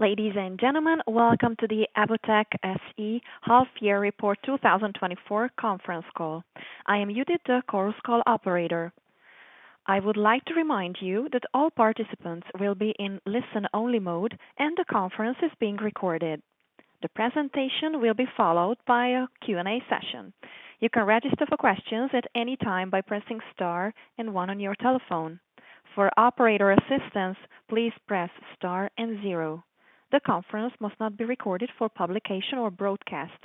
Ladies and gentlemen, welcome to the Evotec SE half year report 2024 conference call. I am Judit, the conference call operator. I would like to remind you that all participants will be in listen-only mode, and the conference is being recorded. The presentation will be followed by a Q&A session. You can register for questions at any time by pressing star and one on your telephone. For operator assistance, please press star and zero. The conference must not be recorded for publication or broadcast.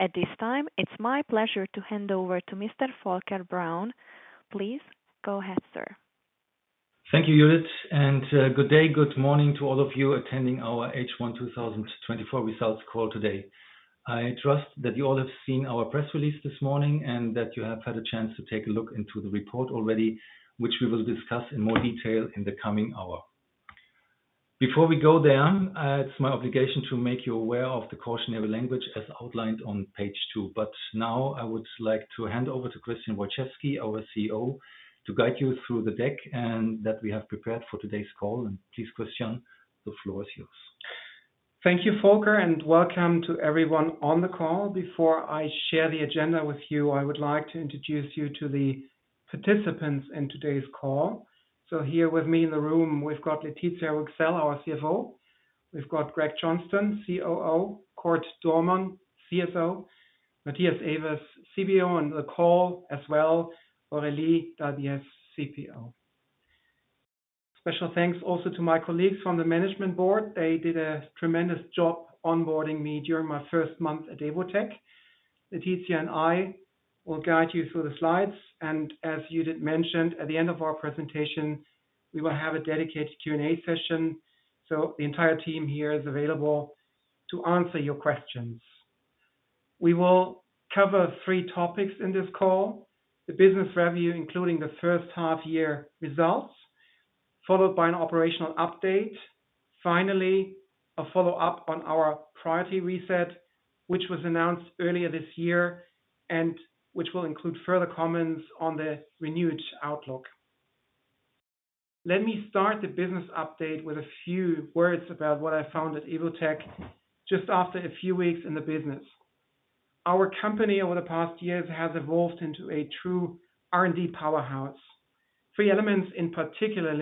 At this time, it's my pleasure to hand over to Mr. Volker Braun. Please go ahead, sir. Thank you, Judit, and good day, good morning to all of you attending our H1 2024 results call today. I trust that you all have seen our press release this morning, and that you have had a chance to take a look into the report already, which we will discuss in more detail in the coming hour. Before we go there, it's my obligation to make you aware of the cautionary language as outlined on page two. But now I would like to hand over to Christian Wojczewski, our CEO, to guide you through the deck and that we have prepared for today's call. Please, Christian, the floor is yours. Thank you, Volker, and welcome to everyone on the call. Before I share the agenda with you, I would like to introduce you to the participants in today's call. So here with me in the room, we've got Laetitia Rouxel, our CFO, we've got Craig Johnstone, COO, Cord Dohrmann, CSO, Matthias Evers, CBO, on the call as well, Aurélie Dalbiez, CPO. Special thanks also to my colleagues from the management board. They did a tremendous job onboarding me during my first month at Evotec. Laetitia and I will guide you through the slides, and as Judit mentioned, at the end of our presentation, we will have a dedicated Q&A session, so the entire team here is available to answer your questions. We will cover three topics in this call: the business review, including the first half year results, followed by an operational update. Finally, a follow-up on our priority reset, which was announced earlier this year, and which will include further comments on the renewed outlook. Let me start the business update with a few words about what I found at Evotec just after a few weeks in the business. Our company, over the past years, has evolved into a true R&D powerhouse. Three elements in particular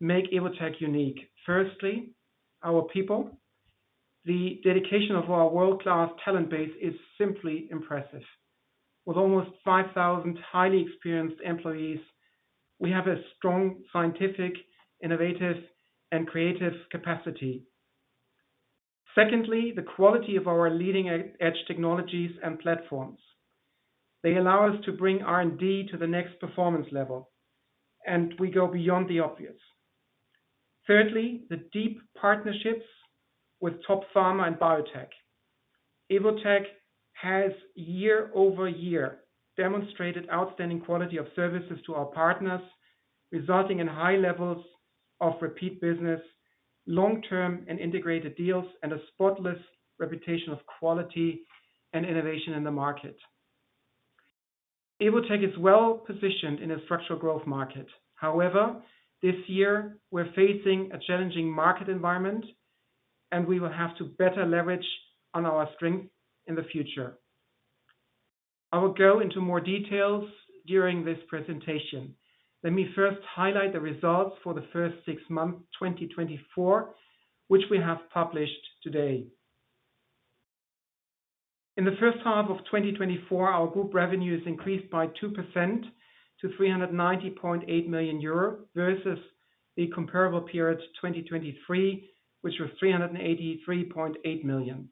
make Evotec unique. Firstly, our people. The dedication of our world-class talent base is simply impressive. With almost 5,000 highly experienced employees, we have a strong scientific, innovative, and creative capacity. Secondly, the quality of our leading-edge technologies and platforms. They allow us to bring R&D to the next performance level, and we go beyond the obvious. Thirdly, the deep partnerships with top pharma and biotech. Evotec has year-over-year demonstrated outstanding quality of services to our partners, resulting in high levels of repeat business, long-term and integrated deals, and a spotless reputation of quality and innovation in the market. Evotec is well positioned in a structural growth market. However, this year, we're facing a challenging market environment, and we will have to better leverage on our strength in the future. I will go into more details during this presentation. Let me first highlight the results for the first six months, 2024, which we have published today. In the first half of 2024, our group revenues increased by 2% to 390.8 million euro, versus the comparable period, 2023, which was 383.8 million.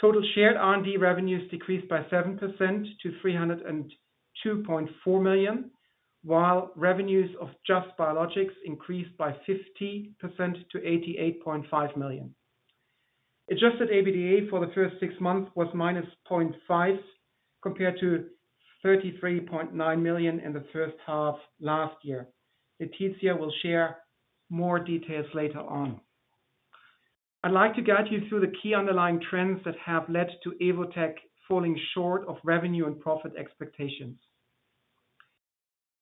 Total Shared R&D revenues decreased by 7% to 302.4 million, while revenues of Just Biologics increased by 50% to 88.5 million. Adjusted EBITDA for the first six months was -0.5 million, compared to 33.9 million in the first half last year. Laetitia will share more details later on. I'd like to guide you through the key underlying trends that have led to Evotec falling short of revenue and profit expectations.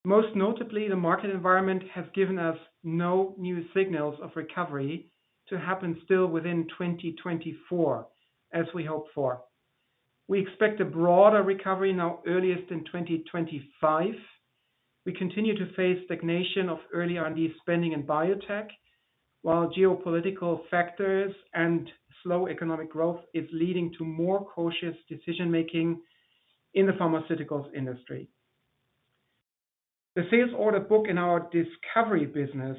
Most notably, the market environment has given us no new signals of recovery to happen still within 2024, as we hoped for. We expect a broader recovery now earliest in 2025. We continue to face stagnation of early R&D spending in biotech, while geopolitical factors and slow economic growth is leading to more cautious decision-making in the pharmaceuticals industry. The sales order book in our discovery business,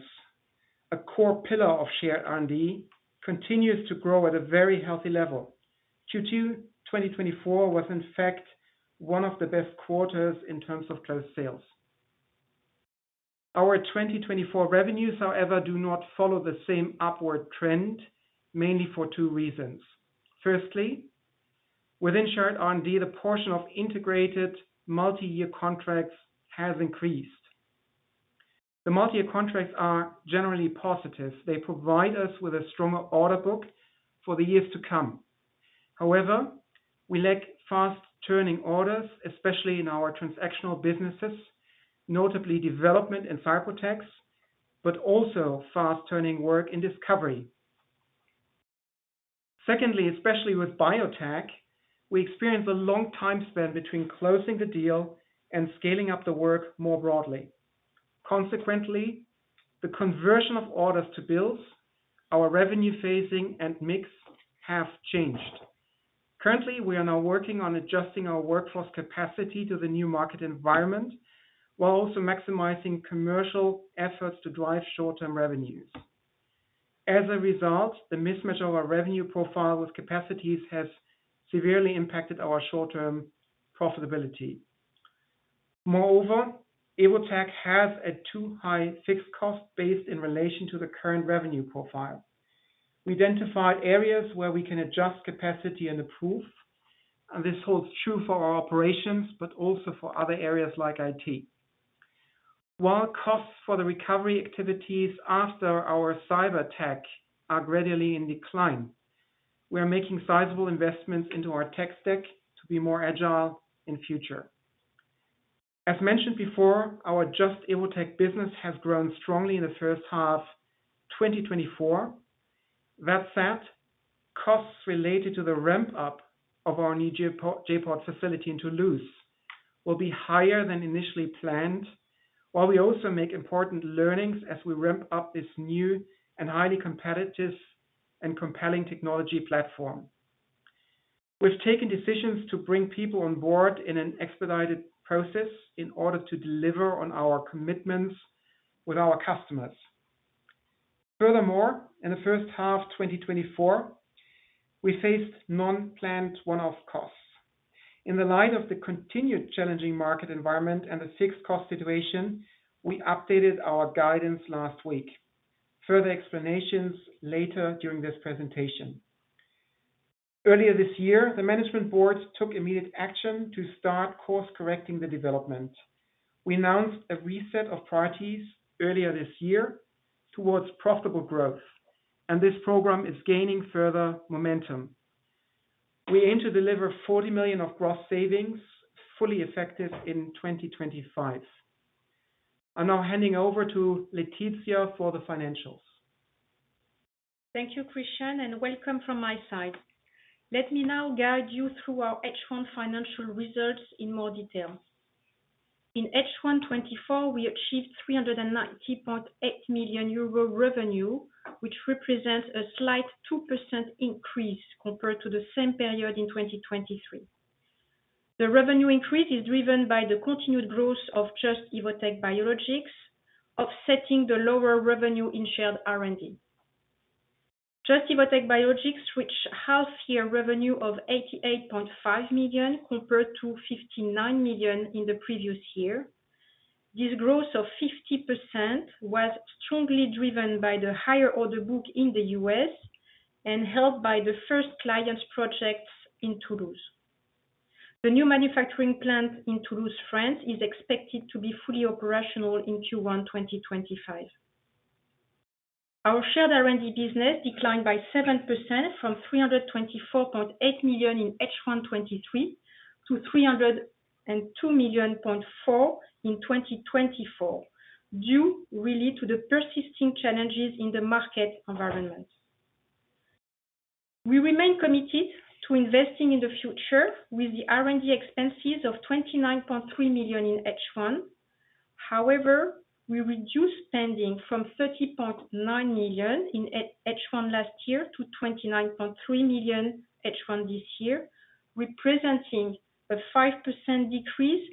a core pillar of Shared R&D, continues to grow at a very healthy level. Q2 2024 was in fact one of the best quarters in terms of closed sales. Our 2024 revenues, however, do not follow the same upward trend, mainly for two reasons. Firstly, within Shared R&D, the portion of integrated multi-year contracts has increased. The multi-year contracts are generally positive. They provide us with a stronger order book for the years to come. However, we lack fast-turning orders, especially in our transactional businesses, notably development in Cyprotex, but also fast-turning work in discovery. Secondly, especially with Biotech, we experience a long time span between closing the deal and scaling up the work more broadly. Consequently, the conversion of orders to bills, our revenue phasing and mix have changed. Currently, we are now working on adjusting our workforce capacity to the new market environment, while also maximizing commercial efforts to drive short-term revenues. As a result, the mismatch of our revenue profile with capacities has severely impacted our short-term profitability. Moreover, Evotec has a too high fixed cost base in relation to the current revenue profile. We identified areas where we can adjust capacity and improve, and this holds true for our operations, but also for other areas like IT. While costs for the recovery activities after our cyberattack are gradually in decline, we are making sizable investments into our tech stack to be more agile in future. As mentioned before, our Just Evotec business has grown strongly in the first half, 2024. That said, costs related to the ramp-up of our new J.POD facility in Toulouse will be higher than initially planned, while we also make important learnings as we ramp up this new and highly competitive and compelling technology platform. We've taken decisions to bring people on board in an expedited process in order to deliver on our commitments with our customers. Furthermore, in the first half 2024, we faced non-planned one-off costs. In the light of the continued challenging market environment and the fixed cost situation, we updated our guidance last week. Further explanations later during this presentation. Earlier this year, the management board took immediate action to start course-correcting the development. We announced a reset of priorities earlier this year towards profitable growth, and this program is gaining further momentum. We aim to deliver 40 million of gross savings, fully effective in 2025. I'm now handing over to Laetitia for the financials. Thank you, Christian, and welcome from my side. Let me now guide you through our H1 financial results in more detail. In H1 2024, we achieved 390.8 million euro revenue, which represents a slight 2% increase compared to the same period in 2023. The revenue increase is driven by the continued growth of Just - Evotec Biologics, offsetting the lower revenue in Shared R&D. Just - Evotec Biologics, which half year revenue of 88.5 million, compared to 59 million in the previous year. This growth of 50% was strongly driven by the higher order book in the U.S. and helped by the first clients projects in Toulouse. The new manufacturing plant in Toulouse, France, is expected to be fully operational in Q1 2025. Our Shared R&D business declined by 7% from 324.8 million in H1 2023, to 302.4 million in 2024, due really to the persisting challenges in the market environment. We remain committed to investing in the future with the R&D expenses of 29.3 million in H1. However, we reduced spending from 30.9 million in H1 last year to 29.3 million H1 this year, representing a 5% decrease,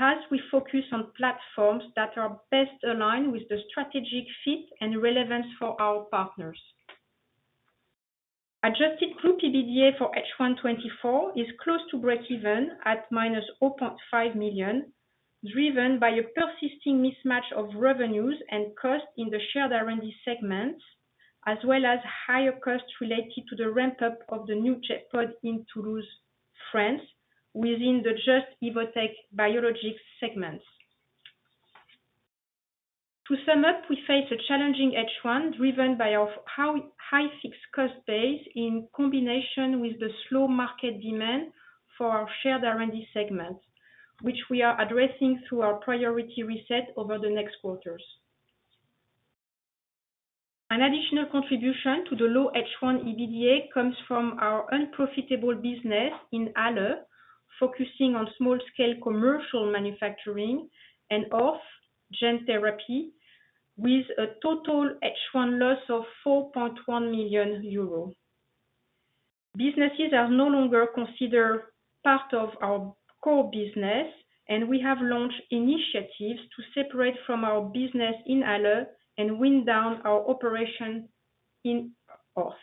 as we focus on platforms that are best aligned with the strategic fit and relevance for our partners. Adjusted group EBITDA for H1 2024 is close to breakeven at -0.5 million, driven by a persisting mismatch of revenues and costs in the Shared R&D segments, as well as higher costs related to the ramp-up of the new J.POD in Toulouse, France, within the Just – Evotec Biologics segments. To sum up, we face a challenging H1, driven by our high fixed cost base in combination with the slow market demand for our Shared R&D segments, which we are addressing through our priority reset over the next quarters. An additional contribution to the low H1 EBITDA comes from our unprofitable business in Halle, focusing on small-scale commercial manufacturing and gene therapy, with a total H1 loss of 4.1 million euros. Businesses are no longer considered part of our core business, and we have launched initiatives to separate from our business in Halle and wind down our operation in Orth.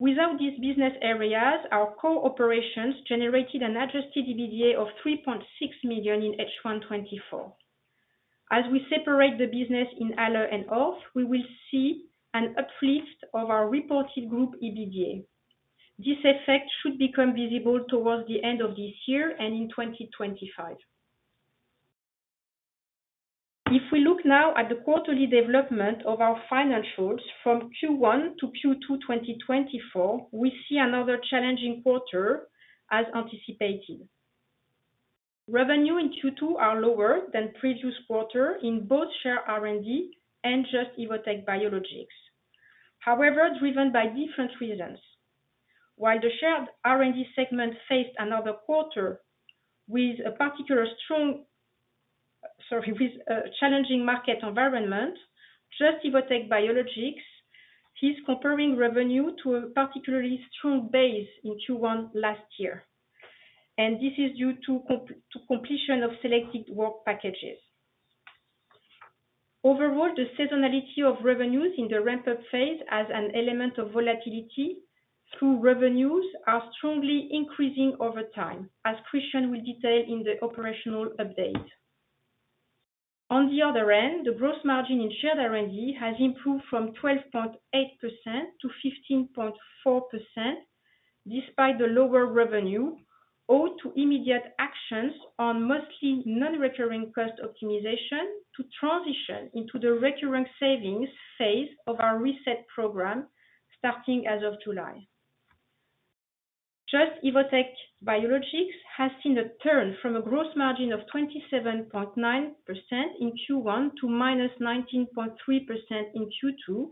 Without these business areas, our core operations generated an Adjusted EBITDA of 3.6 million in H1 2024. As we separate the business in Halle and Orth, we will see an uplift of our reported group EBITDA. This effect should become visible towards the end of this year and in 2025. If we look now at the quarterly development of our financials from Q1 to Q2, 2024, we see another challenging quarter as anticipated. Revenue in Q2 are lower than previous quarter in both Shared R&D and Just - Evotec Biologics. However, driven by different reasons. While the Shared R&D segment faced another quarter with a challenging market environment, Just – Evotec Biologics is comparing revenue to a particularly strong base in Q1 last year, and this is due to completion of selected work packages. Overall, the seasonality of revenues in the ramp-up phase as an element of volatility through revenues are strongly increasing over time, as Christian will detail in the operational update. On the other end, the gross margin in Shared R&D has improved from 12.8%-15.4%, despite the lower revenue, owed to immediate actions on mostly non-recurring cost optimization to transition into the recurring savings phase of our reset program, starting as of July. Just – Evotec Biologics has seen a turn from a gross margin of 27.9% in Q1 to -19.3% in Q2,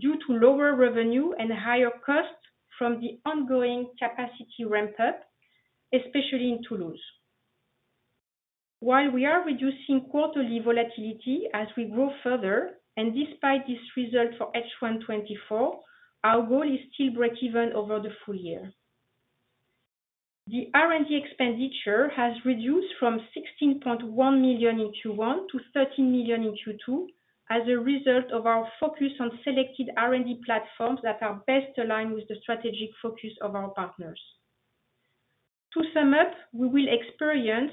due to lower revenue and higher costs from the ongoing capacity ramp-up, especially in Toulouse. While we are reducing quarterly volatility as we grow further, and despite this result for H1 2024, our goal is still breakeven over the full year. The R&D expenditure has reduced from 16.1 million in Q1 to 13 million in Q2, as a result of our focus on selected R&D platforms that are best aligned with the strategic focus of our partners. To sum up, while we experience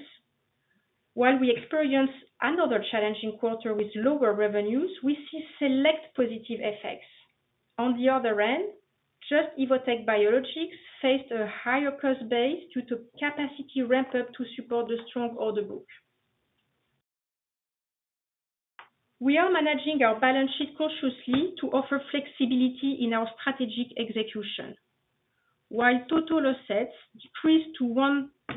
another challenging quarter with lower revenues, we see select positive effects. On the other hand, Just – Evotec Biologics faced a higher cost base due to capacity ramp-up to support the strong order book. We are managing our balance sheet cautiously to offer flexibility in our strategic execution. While total assets decreased to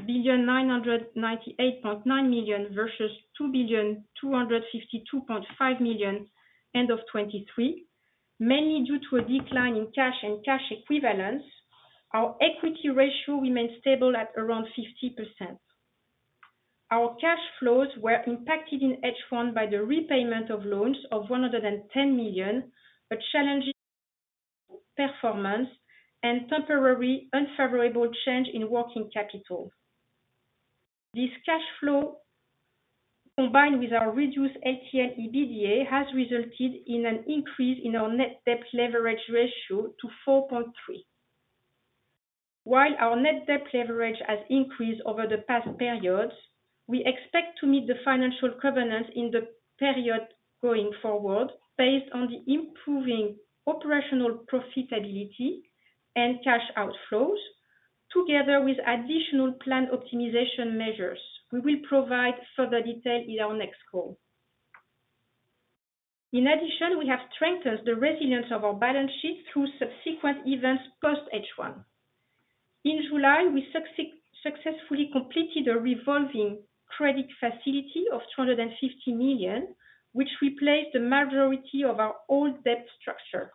1,998.9 billion versus 2,252.5 billion end of 2023, mainly due to a decline in cash and cash equivalents, our equity ratio remains stable at around 50%. Our cash flows were impacted in H1 by the repayment of loans of 110 million, a challenging performance, and temporary unfavorable change in working capital. This cash flow, combined with our reduced Adjusted EBITDA, has resulted in an increase in our net debt leverage ratio to 4.3. While our net debt leverage has increased over the past periods, we expect to meet the financial covenants in the period going forward, based on the improving operational profitability and cash outflows, together with additional plan optimization measures. We will provide further detail in our next call. In addition, we have strengthened the resilience of our balance sheet through subsequent events post H1. In July, we successfully completed a revolving credit facility of 250 million, which replaced the majority of our old debt structure.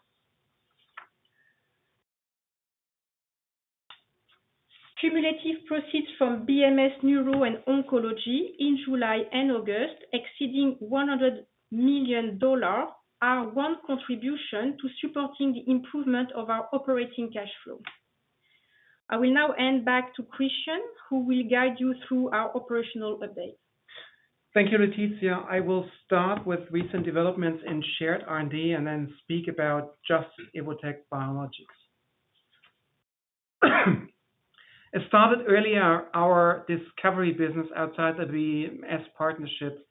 Cumulative proceeds from BMS Neuro and Oncology in July and August, exceeding $100 million, are one contribution to supporting the improvement of our operating cash flow. I will now hand back to Christian, who will guide you through our operational update. Thank you, Laetitia. I will start with recent developments in Shared R&D and then speak about Just - Evotec Biologics. As stated earlier, our discovery business outside of the S partnerships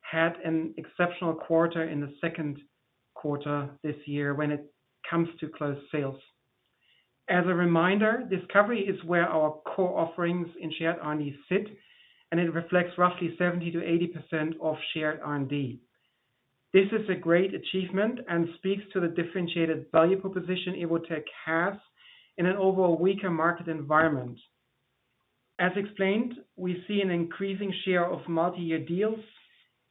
had an exceptional quarter in the second quarter this year when it comes to close sales. As a reminder, discovery is where our core offerings in Shared R&D sit, and it reflects roughly 70%-80% of Shared R&D. This is a great achievement and speaks to the differentiated value proposition Evotec has in an overall weaker market environment. As explained, we see an increasing share of multi-year deals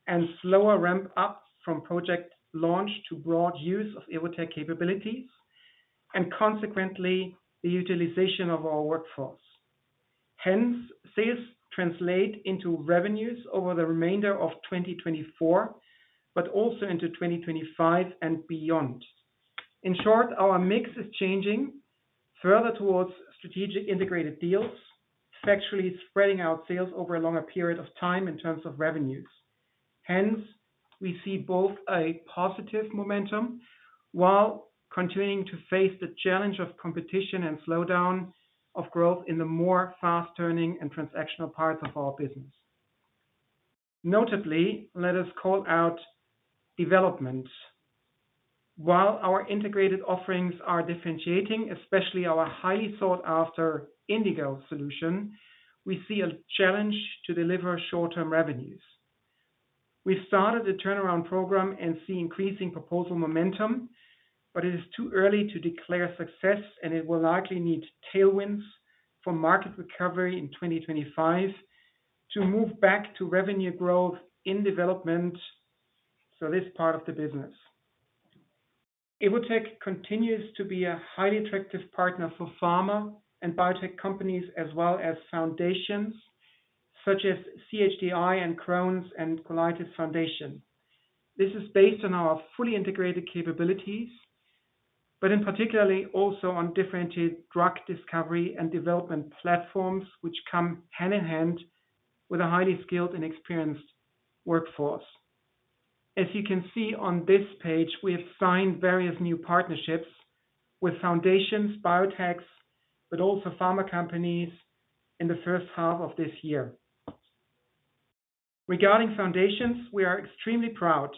and slower ramp-up from project launch to broad use of Evotec capabilities, and consequently, the utilization of our workforce. Hence, sales translate into revenues over the remainder of 2024, but also into 2025 and beyond. In short, our mix is changing further towards strategic integrated deals, sequentially spreading out sales over a longer period of time in terms of revenues. Hence, we see both a positive momentum while continuing to face the challenge of competition and slowdown of growth in the more fast-turning and transactional parts of our business. Notably, let us call out development. While our integrated offerings are differentiating, especially our highly sought after INDiGO solution, we see a challenge to deliver short-term revenues. We started the turnaround program and see increasing proposal momentum, but it is too early to declare success, and it will likely need tailwinds for market recovery in 2025 to move back to revenue growth in development, so this part of the business. Evotec continues to be a highly attractive partner for pharma and biotech companies, as well as foundations such as CHDI and Crohn's & Colitis Foundation. This is based on our fully integrated capabilities, but in particular also on differentiated drug discovery and development platforms, which come hand in hand with a highly skilled and experienced workforce. As you can see on this page, we have signed various new partnerships with foundations, biotechs, but also pharma companies in the first half of this year. Regarding foundations, we are extremely proud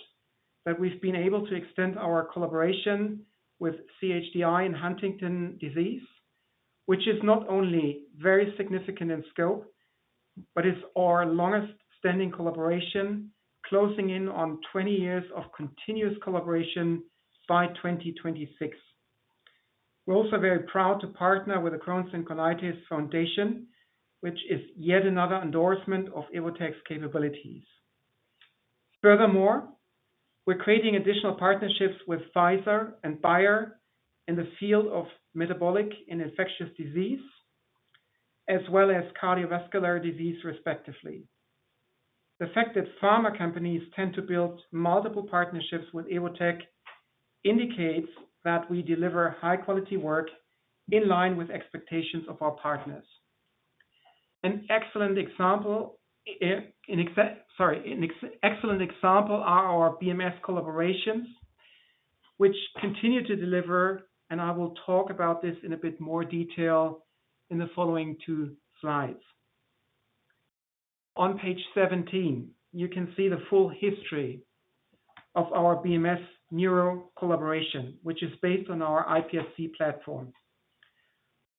that we've been able to extend our collaboration with CHDI in Huntington's disease, which is not only very significant in scope, but is our longest standing collaboration, closing in on 20 years of continuous collaboration by 2026. We're also very proud to partner with the Crohn's & Colitis Foundation, which is yet another endorsement of Evotec's capabilities. Furthermore, we're creating additional partnerships with Pfizer and Bayer in the field of metabolic and infectious disease, as well as cardiovascular disease, respectively. The fact that pharma companies tend to build multiple partnerships with Evotec indicates that we deliver high-quality work in line with expectations of our partners. An excellent example are our BMS collaborations, which continue to deliver, and I will talk about this in a bit more detail in the following two slides. On page 17, you can see the full history of our BMS Neuro collaboration, which is based on our iPSC platform.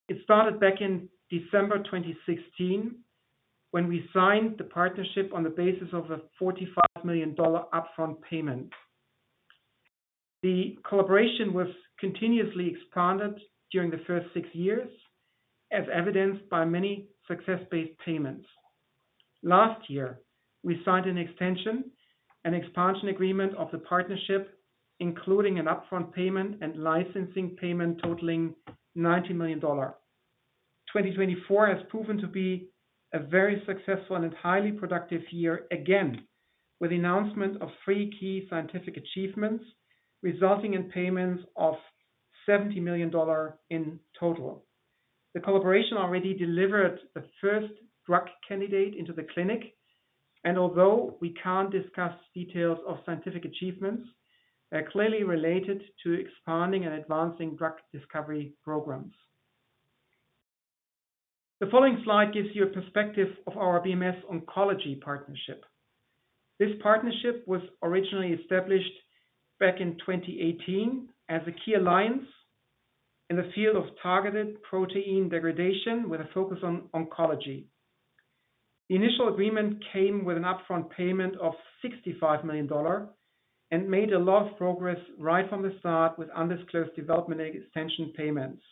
It started back in December 2016, when we signed the partnership on the basis of a $45 million upfront payment. The collaboration was continuously expanded during the first six years, as evidenced by many success-based payments. Last year, we signed an extension, an expansion agreement of the partnership, including an upfront payment and licensing payment totaling $90 million. 2024 has proven to be a very successful and highly productive year, again, with the announcement of three key scientific achievements, resulting in payments of $70 million in total. The collaboration already delivered the first drug candidate into the clinic, and although we can't discuss details of scientific achievements, they're clearly related to expanding and advancing drug discovery programs. The following slide gives you a perspective of our BMS Oncology Partnership. This partnership was originally established back in 2018 as a key alliance in the field of targeted protein degradation with a focus on oncology. The initial agreement came with an upfront payment of $65 million and made a lot of progress right from the start with undisclosed development extension payments.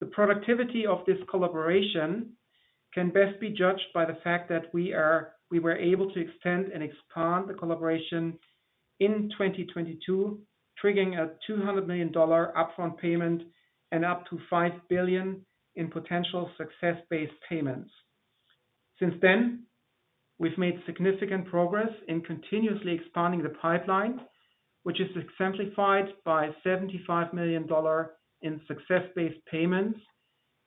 The productivity of this collaboration can best be judged by the fact that we were able to extend and expand the collaboration in 2022, triggering a $200 million upfront payment and up to $5 billion in potential success-based payments. Since then, we've made significant progress in continuously expanding the pipeline, which is exemplified by $75 million in success-based payments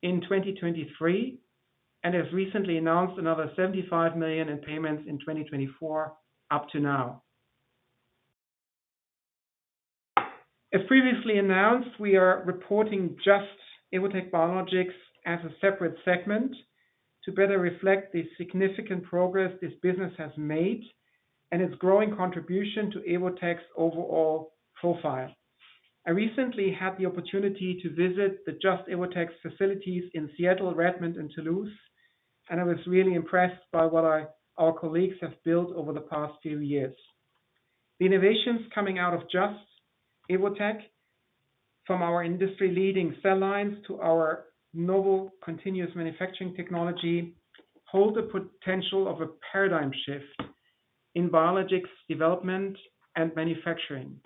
in 2023, and has recently announced another $75 million in payments in 2024 up to now. As previously announced, we are reporting Just – Evotec Biologics as a separate segment to better reflect the significant progress this business has made and its growing contribution to Evotec's overall profile. I recently had the opportunity to visit the Just – Evotec facilities in Seattle, Redmond, and Toulouse, and I was really impressed by what our colleagues have built over the past few years. The innovations coming out of Just – Evotec Biologics, from our industry-leading cell lines to our novel continuous manufacturing technology, hold the potential of a paradigm shift in biologics development and manufacturing.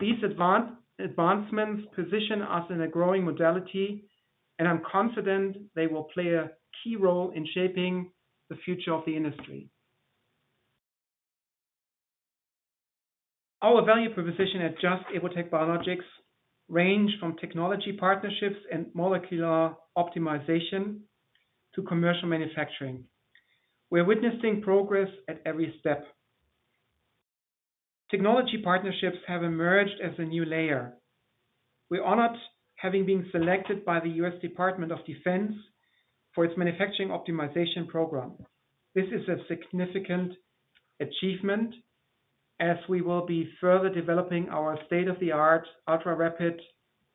These advancements position us in a growing modality, and I'm confident they will play a key role in shaping the future of the industry. Our value proposition at Just – Evotec Biologics ranges from technology partnerships and molecular optimization to commercial manufacturing. We're witnessing progress at every step. Technology partnerships have emerged as a new layer.... We're honored having been selected by the US Department of Defense for its manufacturing optimization program. This is a significant achievement, as we will be further developing our state-of-the-art, ultra-rapid,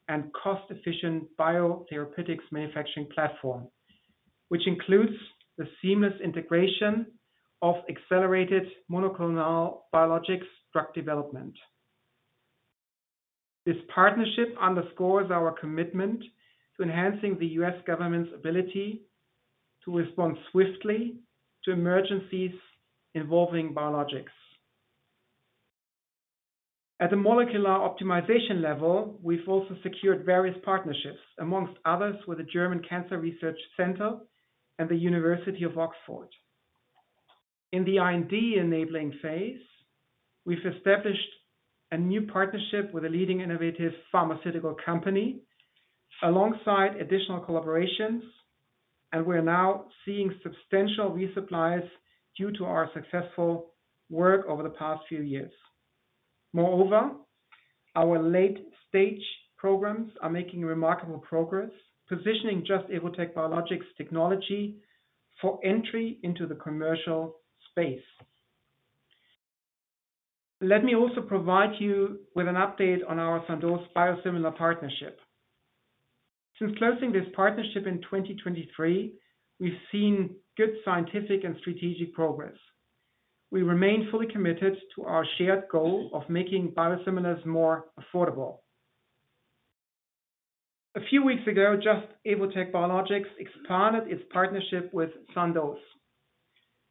and cost-efficient biotherapeutics manufacturing platform, which includes the seamless integration of accelerated monoclonal biologics drug development. This partnership underscores our commitment to enhancing the U.S. government's ability to respond swiftly to emergencies involving biologics. At the molecular optimization level, we've also secured various partnerships, among others, with the German Cancer Research Center and the University of Oxford. In the IND-enabling phase, we've established a new partnership with a leading innovative pharmaceutical company, alongside additional collaborations, and we're now seeing substantial resupplies due to our successful work over the past few years. Moreover, our late-stage programs are making remarkable progress, positioning Just – Evotec Biologics technology for entry into the commercial space. Let me also provide you with an update on our Sandoz biosimilar partnership. Since closing this partnership in 2023, we've seen good scientific and strategic progress. We remain fully committed to our shared goal of making biosimilars more affordable. A few weeks ago, Just – Evotec Biologics expanded its partnership with Sandoz.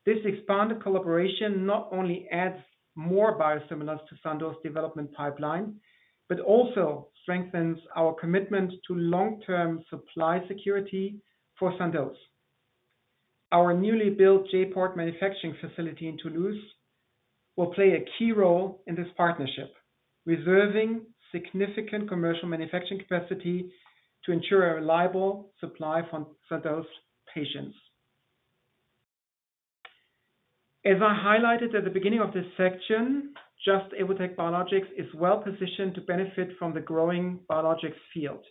This expanded collaboration not only adds more biosimilars to Sandoz development pipeline, but also strengthens our commitment to long-term supply security for Sandoz. Our newly built J.POD manufacturing facility in Toulouse will play a key role in this partnership, reserving significant commercial manufacturing capacity to ensure a reliable supply from Sandoz patients. As I highlighted at the beginning of this section, Just – Evotec Biologics is well-positioned to benefit from the growing biologics field.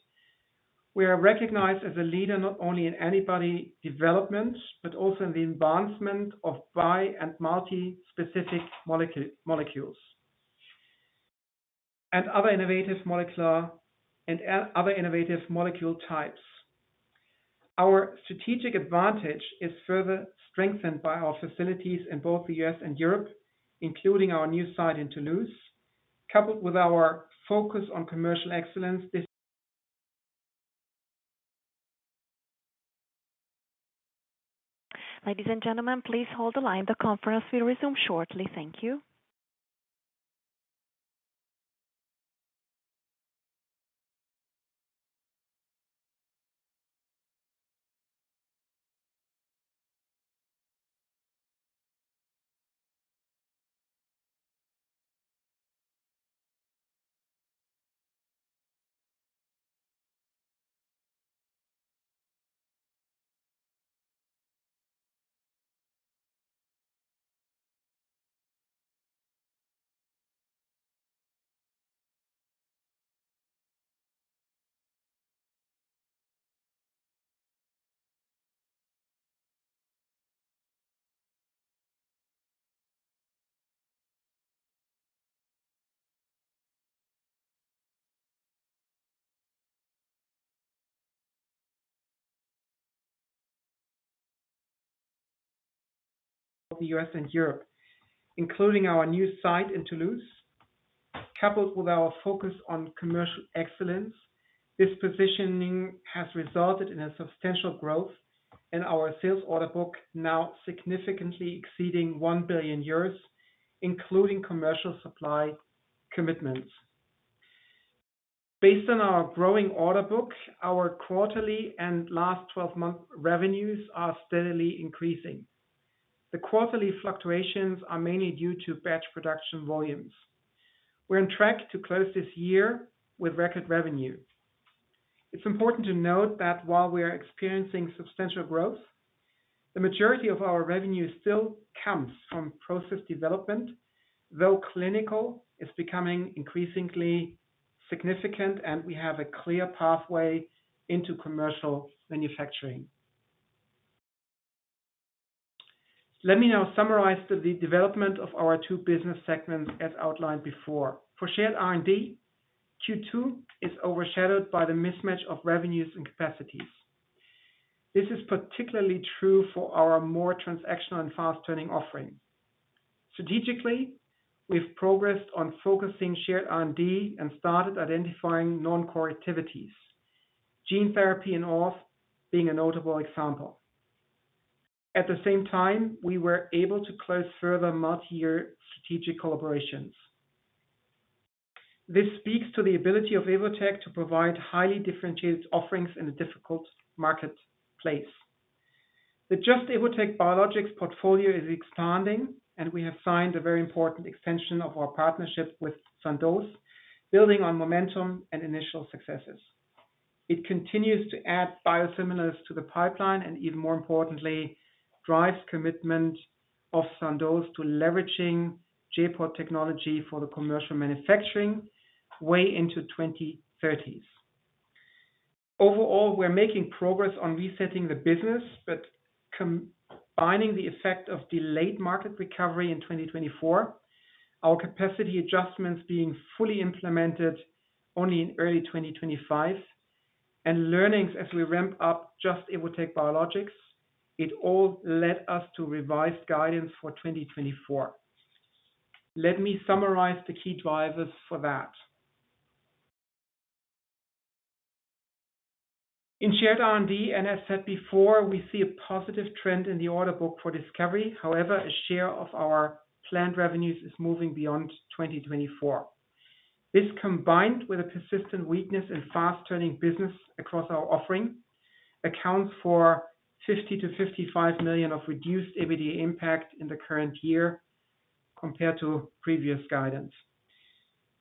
We are recognized as a leader, not only in antibody development, but also in the advancement of bi- and multi-specific molecules and other innovative molecule types. Our strategic advantage is further strengthened by our facilities in both the U.S. and Europe, including our new site in Toulouse. Coupled with our focus on commercial excellence, this. Ladies and gentlemen, please hold the line. The conference will resume shortly. Thank you. The U.S. and Europe, including our new site in Toulouse. Coupled with our focus on commercial excellence, this positioning has resulted in a substantial growth in our sales order book, now significantly exceeding 1 billion euros, including commercial supply commitments. Based on our growing order book, our quarterly and last twelve-month revenues are steadily increasing. The quarterly fluctuations are mainly due to batch production volumes. We're on track to close this year with record revenue. It's important to note that while we are experiencing substantial growth, the majority of our revenue still comes from process development, though clinical is becoming increasingly significant, and we have a clear pathway into commercial manufacturing. Let me now summarize the development of our two business segments as outlined before. For Shared R&D, Q2 is overshadowed by the mismatch of revenues and capacities. This is particularly true for our more transactional and fast-turning offerings. Strategically, we've progressed on focusing Shared R&D and started identifying non-core activities, gene therapy and Orth being a notable example. At the same time, we were able to close further multi-year strategic collaborations. This speaks to the ability of Evotec to provide highly differentiated offerings in a difficult marketplace. The Just - Evotec Biologics portfolio is expanding, and we have signed a very important extension of our partnership with Sandoz, building on momentum and initial successes. It continues to add biosimilars to the pipeline, and even more importantly, drives commitment of Sandoz to leveraging J.POD technology for the commercial manufacturing way into 2030. Overall, we're making progress on resetting the business, but combining the effect of delayed market recovery in 2024, our capacity adjustments being fully implemented only in early 2025, and learnings as we ramp up Just - Evotec Biologics, it all led us to revised guidance for 2024. Let me summarize the key drivers for that. In Shared R&D, and as said before, we see a positive trend in the order book for discovery. However, a share of our planned revenues is moving beyond 2024. This, combined with a persistent weakness in fast-turning business across our offering, accounts for 50 million-55 million of reduced EBITDA impact in the current year compared to previous guidance.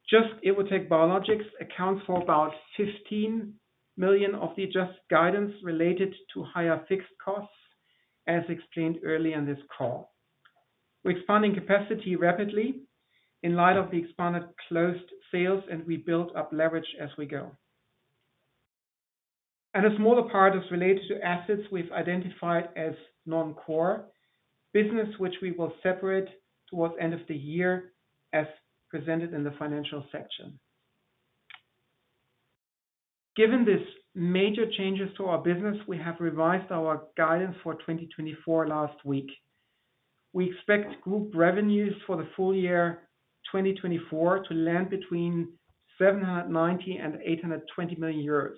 Just - Evotec Biologics accounts for about 15 million of the adjusted guidance related to higher fixed costs, as explained earlier in this call. We're expanding capacity rapidly in light of the expanded closed sales, and we build up leverage as we go. A smaller part is related to assets we've identified as non-core business, which we will separate towards end of the year, as presented in the financial section. Given this major changes to our business, we have revised our guidance for 2024 last week. We expect group revenues for the full year 2024 to land between 790 million and 820 million euros.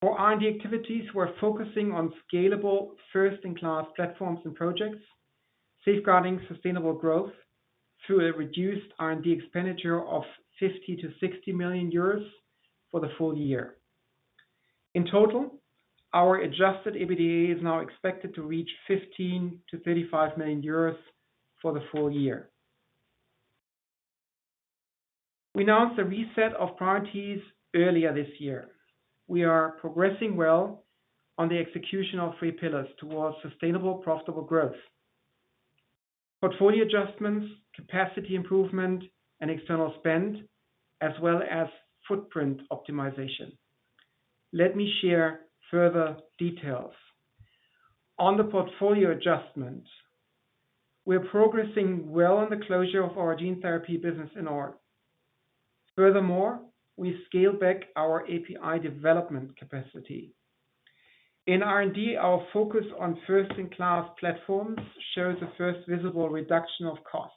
For R&D activities, we're focusing on scalable, first-in-class platforms and projects, safeguarding sustainable growth through a reduced R&D expenditure of 50 million-60 million euros for the full year. In total, our Adjusted EBITDA is now expected to reach 15 million-35 million euros for the full year. We announced a reset of priorities earlier this year. We are progressing well on the execution of three pillars towards sustainable, profitable growth: portfolio adjustments, capacity improvement, and external spend, as well as footprint optimization. Let me share further details. On the portfolio adjustment, we are progressing well on the closure of our gene therapy business in Orth. Furthermore, we scale back our API development capacity. In R&D, our focus on first-in-class platforms shows the first visible reduction of costs.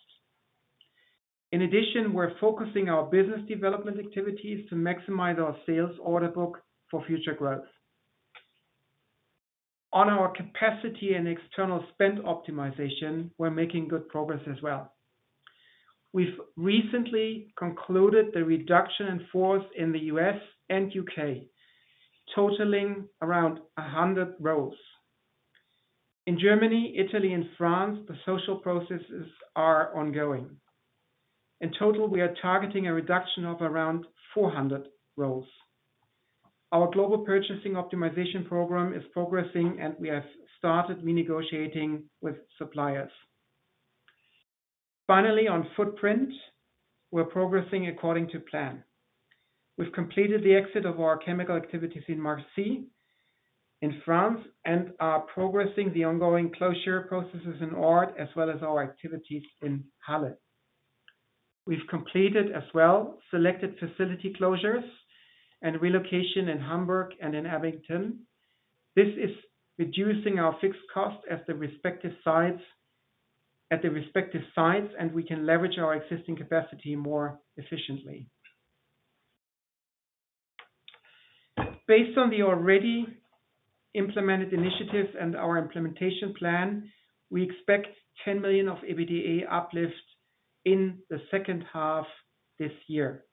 In addition, we're focusing our business development activities to maximize our sales order book for future growth. On our capacity and external spend optimization, we're making good progress as well. We've recently concluded the reduction in force in the U.S. and U.K., totaling around 100 roles. In Germany, Italy, and France, the social processes are ongoing. In total, we are targeting a reduction of around 400 roles. Our global purchasing optimization program is progressing, and we have started renegotiating with suppliers. Finally, on footprint, we're progressing according to plan. We've completed the exit of our chemical activities in Marcy-l'Étoile, in France, and are progressing the ongoing closure processes in Orth an der Donau, as well as our activities in Halle. We've completed as well selected facility closures and relocation in Hamburg and in Abingdon. This is reducing our fixed cost at the respective sites, at the respective sites, and we can leverage our existing capacity more efficiently. Based on the already implemented initiatives and our implementation plan, we expect 10 million of EBITDA uplift in the second half this year.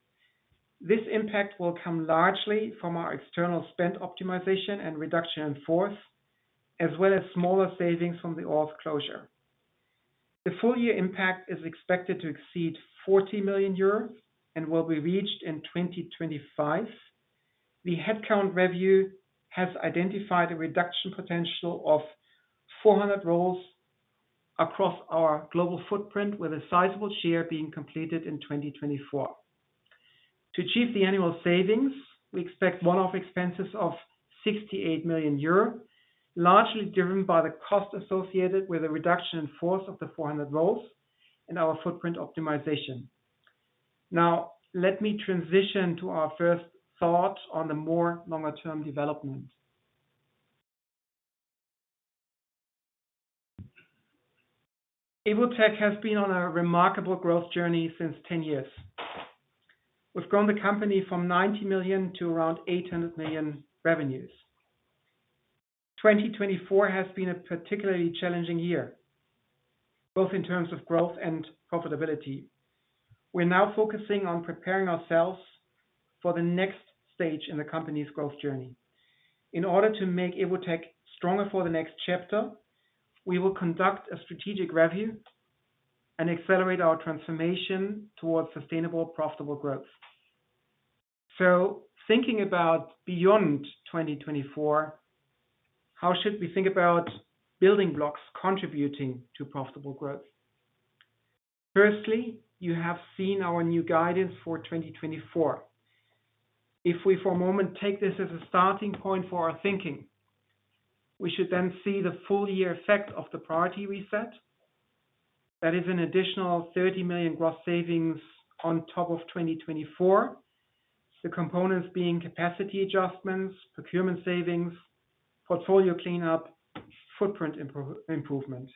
This impact will come largely from our external spend optimization and reduction in force, as well as smaller savings from the Orth an der Donau closure. The full year impact is expected to exceed 40 million euro and will be reached in 2025. The headcount review has identified a reduction potential of 400 roles across our global footprint, with a sizable share being completed in 2024. To achieve the annual savings, we expect one-off expenses of 68 million euro, largely driven by the cost associated with a reduction in force of the 400 roles and our footprint optimization. Now, let me transition to our first thoughts on the more longer-term development. Evotec has been on a remarkable growth journey since 10 years. We've grown the company from 90 million to around 800 million revenues. 2024 has been a particularly challenging year, both in terms of growth and profitability. We're now focusing on preparing ourselves for the next stage in the company's growth journey. In order to make Evotec stronger for the next chapter, we will conduct a strategic review... and accelerate our transformation towards sustainable, profitable growth. So thinking about beyond 2024, how should we think about building blocks contributing to profitable growth? Firstly, you have seen our new guidance for 2024. If we, for a moment, take this as a starting point for our thinking, we should then see the full year effect of the priority we set. That is an additional 30 million gross savings on top of 2024. The components being capacity adjustments, procurement savings, portfolio cleanup, footprint improvement.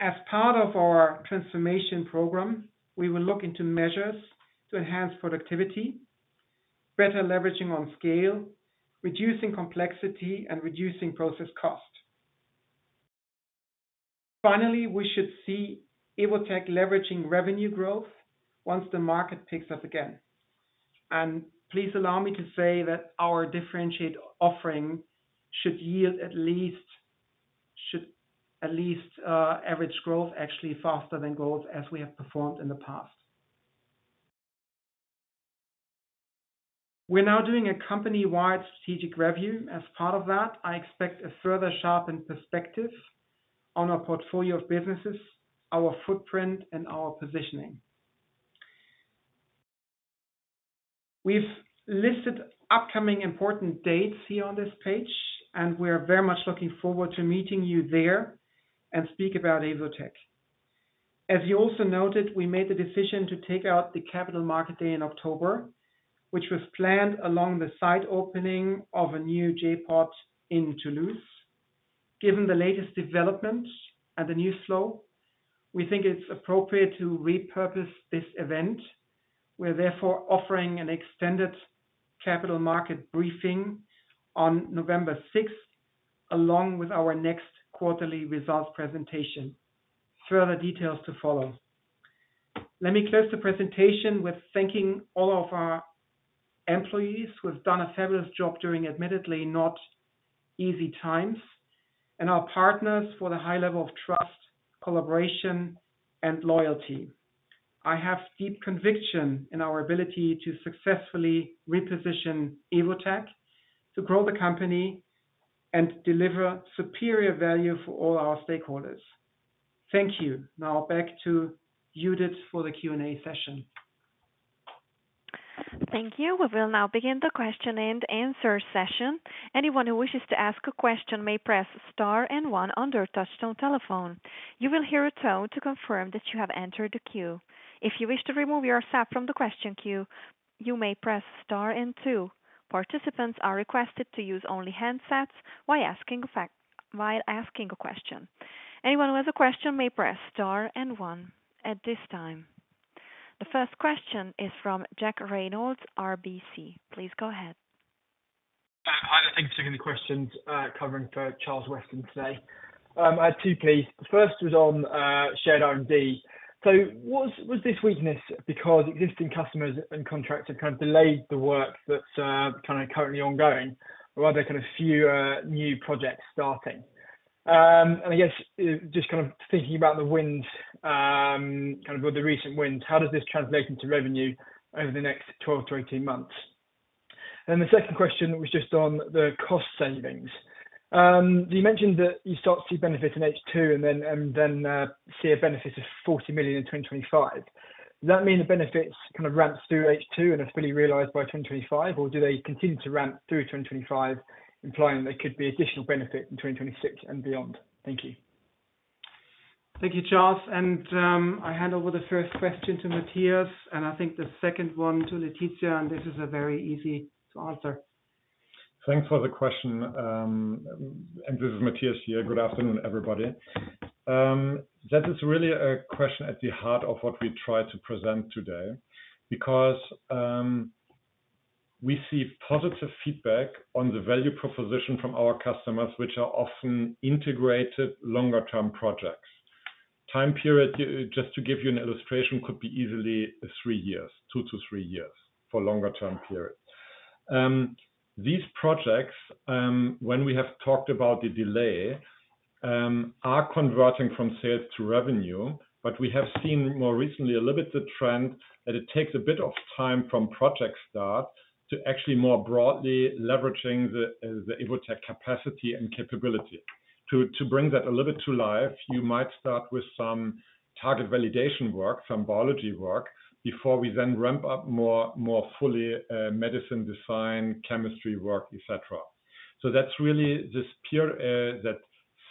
As part of our transformation program, we will look into measures to enhance productivity, better leveraging on scale, reducing complexity, and reducing process cost. Finally, we should see Evotec leveraging revenue growth once the market picks up again. Please allow me to say that our differentiated offering should yield at least average growth, actually, faster than growth as we have performed in the past. We're now doing a company-wide strategic review. As part of that, I expect a further sharpened perspective on our portfolio of businesses, our footprint, and our positioning. We've listed upcoming important dates here on this page, and we're very much looking forward to meeting you there and speak about Evotec. As you also noted, we made the decision to take out the Capital Market Day in October, which was planned along the site opening of a new J.POD in Toulouse. Given the latest developments and the news flow, we think it's appropriate to repurpose this event. We're therefore offering an extended capital market briefing on November sixth, along with our next quarterly results presentation. Further details to follow. Let me close the presentation with thanking all of our employees who have done a fabulous job during admittedly not easy times, and our partners for the high level of trust, collaboration, and loyalty. I have deep conviction in our ability to successfully reposition Evotec, to grow the company, and deliver superior value for all our stakeholders. Thank you. Now back to Judit for the Q&A session. Thank you. We will now begin the question and answer session. Anyone who wishes to ask a question may press star and one on their touchtone telephone. You will hear a tone to confirm that you have entered the queue. If you wish to remove yourself from the question queue, you may press star and two. Participants are requested to use only handsets while asking a fact, while asking a question. Anyone who has a question may press star and one at this time. The first question is from Jack Reynolds, RBC. Please go ahead. Hi, thanks for taking the questions, covering for Charles Weston today. I had two please. The first was on, Shared R&D. So was, was this weakness because existing customers and contracts have kind of delayed the work that's, kind of currently ongoing, or are there kind of fewer new projects starting? And I guess, just kind of thinking about the wins, kind of with the recent wins, how does this translate into revenue over the next 12 to 18 months? And then the second question was just on the cost savings. You mentioned that you start to see benefits in H2 and then, and then, see a benefit of 40 million in 2025. Does that mean the benefits kind of ramps through H2 and it's fully realized by 2025, or do they continue to ramp through 2025, implying there could be additional benefit in 2026 and beyond? Thank you. Thank you, Charles, and I hand over the first question to Matthias, and I think the second one to Laetitia, and this is a very easy to answer. Thanks for the question, and this is Matthias here. Good afternoon, everybody. That is really a question at the heart of what we tried to present today, because, we see positive feedback on the value proposition from our customers, which are often integrated longer-term projects. Time period, just to give you an illustration, could be easily three years, two to three years for longer-term period. These projects, when we have talked about the delay, are converting from sales to revenue, but we have seen more recently a limited trend, that it takes a bit of time from project start to actually more broadly leveraging the, the Evotec capacity and capability. To bring that a little bit to life, you might start with some target validation work, some biology work, before we then ramp up more fully, medicine design, chemistry work, etc. So that's really this pure that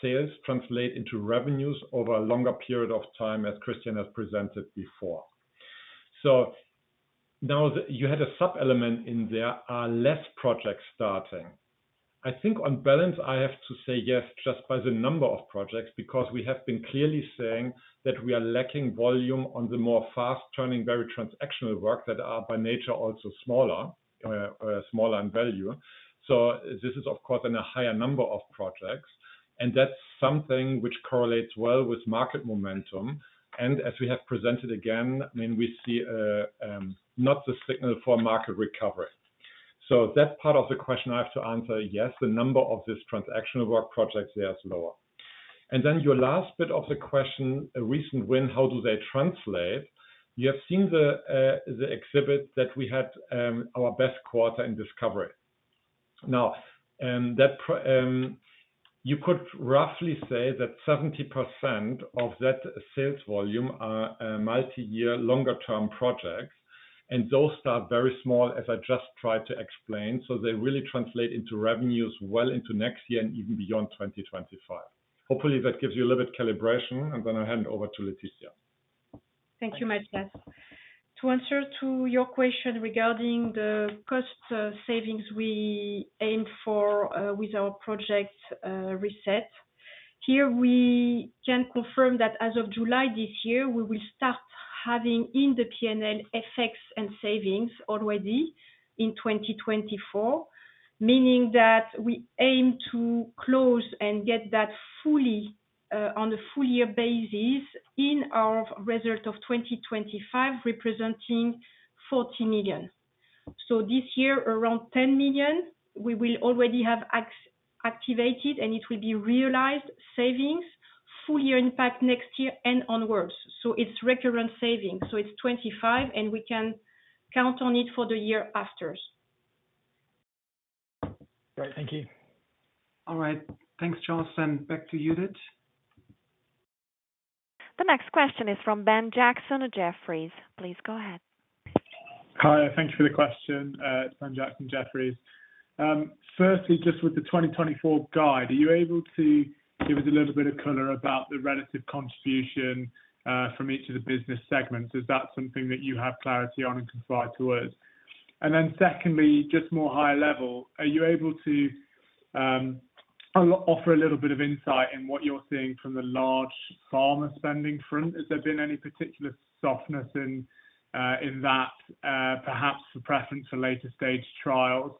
sales translate into revenues over a longer period of time, as Christian has presented before. So now that you had a sub-element in there, are less projects starting? I think on balance, I have to say yes, just by the number of projects, because we have been clearly saying that we are lacking volume on the more fast-turning, very transactional work that are by nature, also smaller, smaller in value. So this is, of course, in a higher number of projects, and that's something which correlates well with market momentum. As we have presented again, I mean, we see a not the signal for market recovery. So that part of the question I have to answer, yes, the number of this transactional work projects, they are lower. And then your last bit of the question, a recent win, how do they translate? You have seen the the exhibit that we had, our best quarter in discovery. Now, you could roughly say that 70% of that sales volume are multi-year, longer-term projects, and those start very small, as I just tried to explain, so they really translate into revenues well into next year and even beyond 2025. Hopefully, that gives you a little bit calibration. I'm gonna hand it over to Laetitia. Thank you, Matthias. To answer to your question regarding the cost, savings we aim for, with our project reset, here we can confirm that as of July this year, we will start having in the P&L effects and savings already in 2024. Meaning that we aim to close and get that fully, on a full year basis in our result of 2025, representing 40 million. So this year, around 10 million, we will already have activated, and it will be realized savings, full year impact next year and onwards. So it's recurrent savings, so it's 25, and we can count on it for the year afters. Great, thank you. All right. Thanks, Charles, and back to you, Judit. The next question is from Ben Jackson of Jefferies. Please go ahead. Hi, thank you for the question. It's Ben Jackson, Jefferies. Firstly, just with the 2024 guide, are you able to give us a little bit of color about the relative contribution from each of the business segments? Is that something that you have clarity on and can provide to us? And then secondly, just more high level, are you able to offer a little bit of insight in what you're seeing from the large pharma spending front? Has there been any particular softness in that, perhaps preference for later stage trials?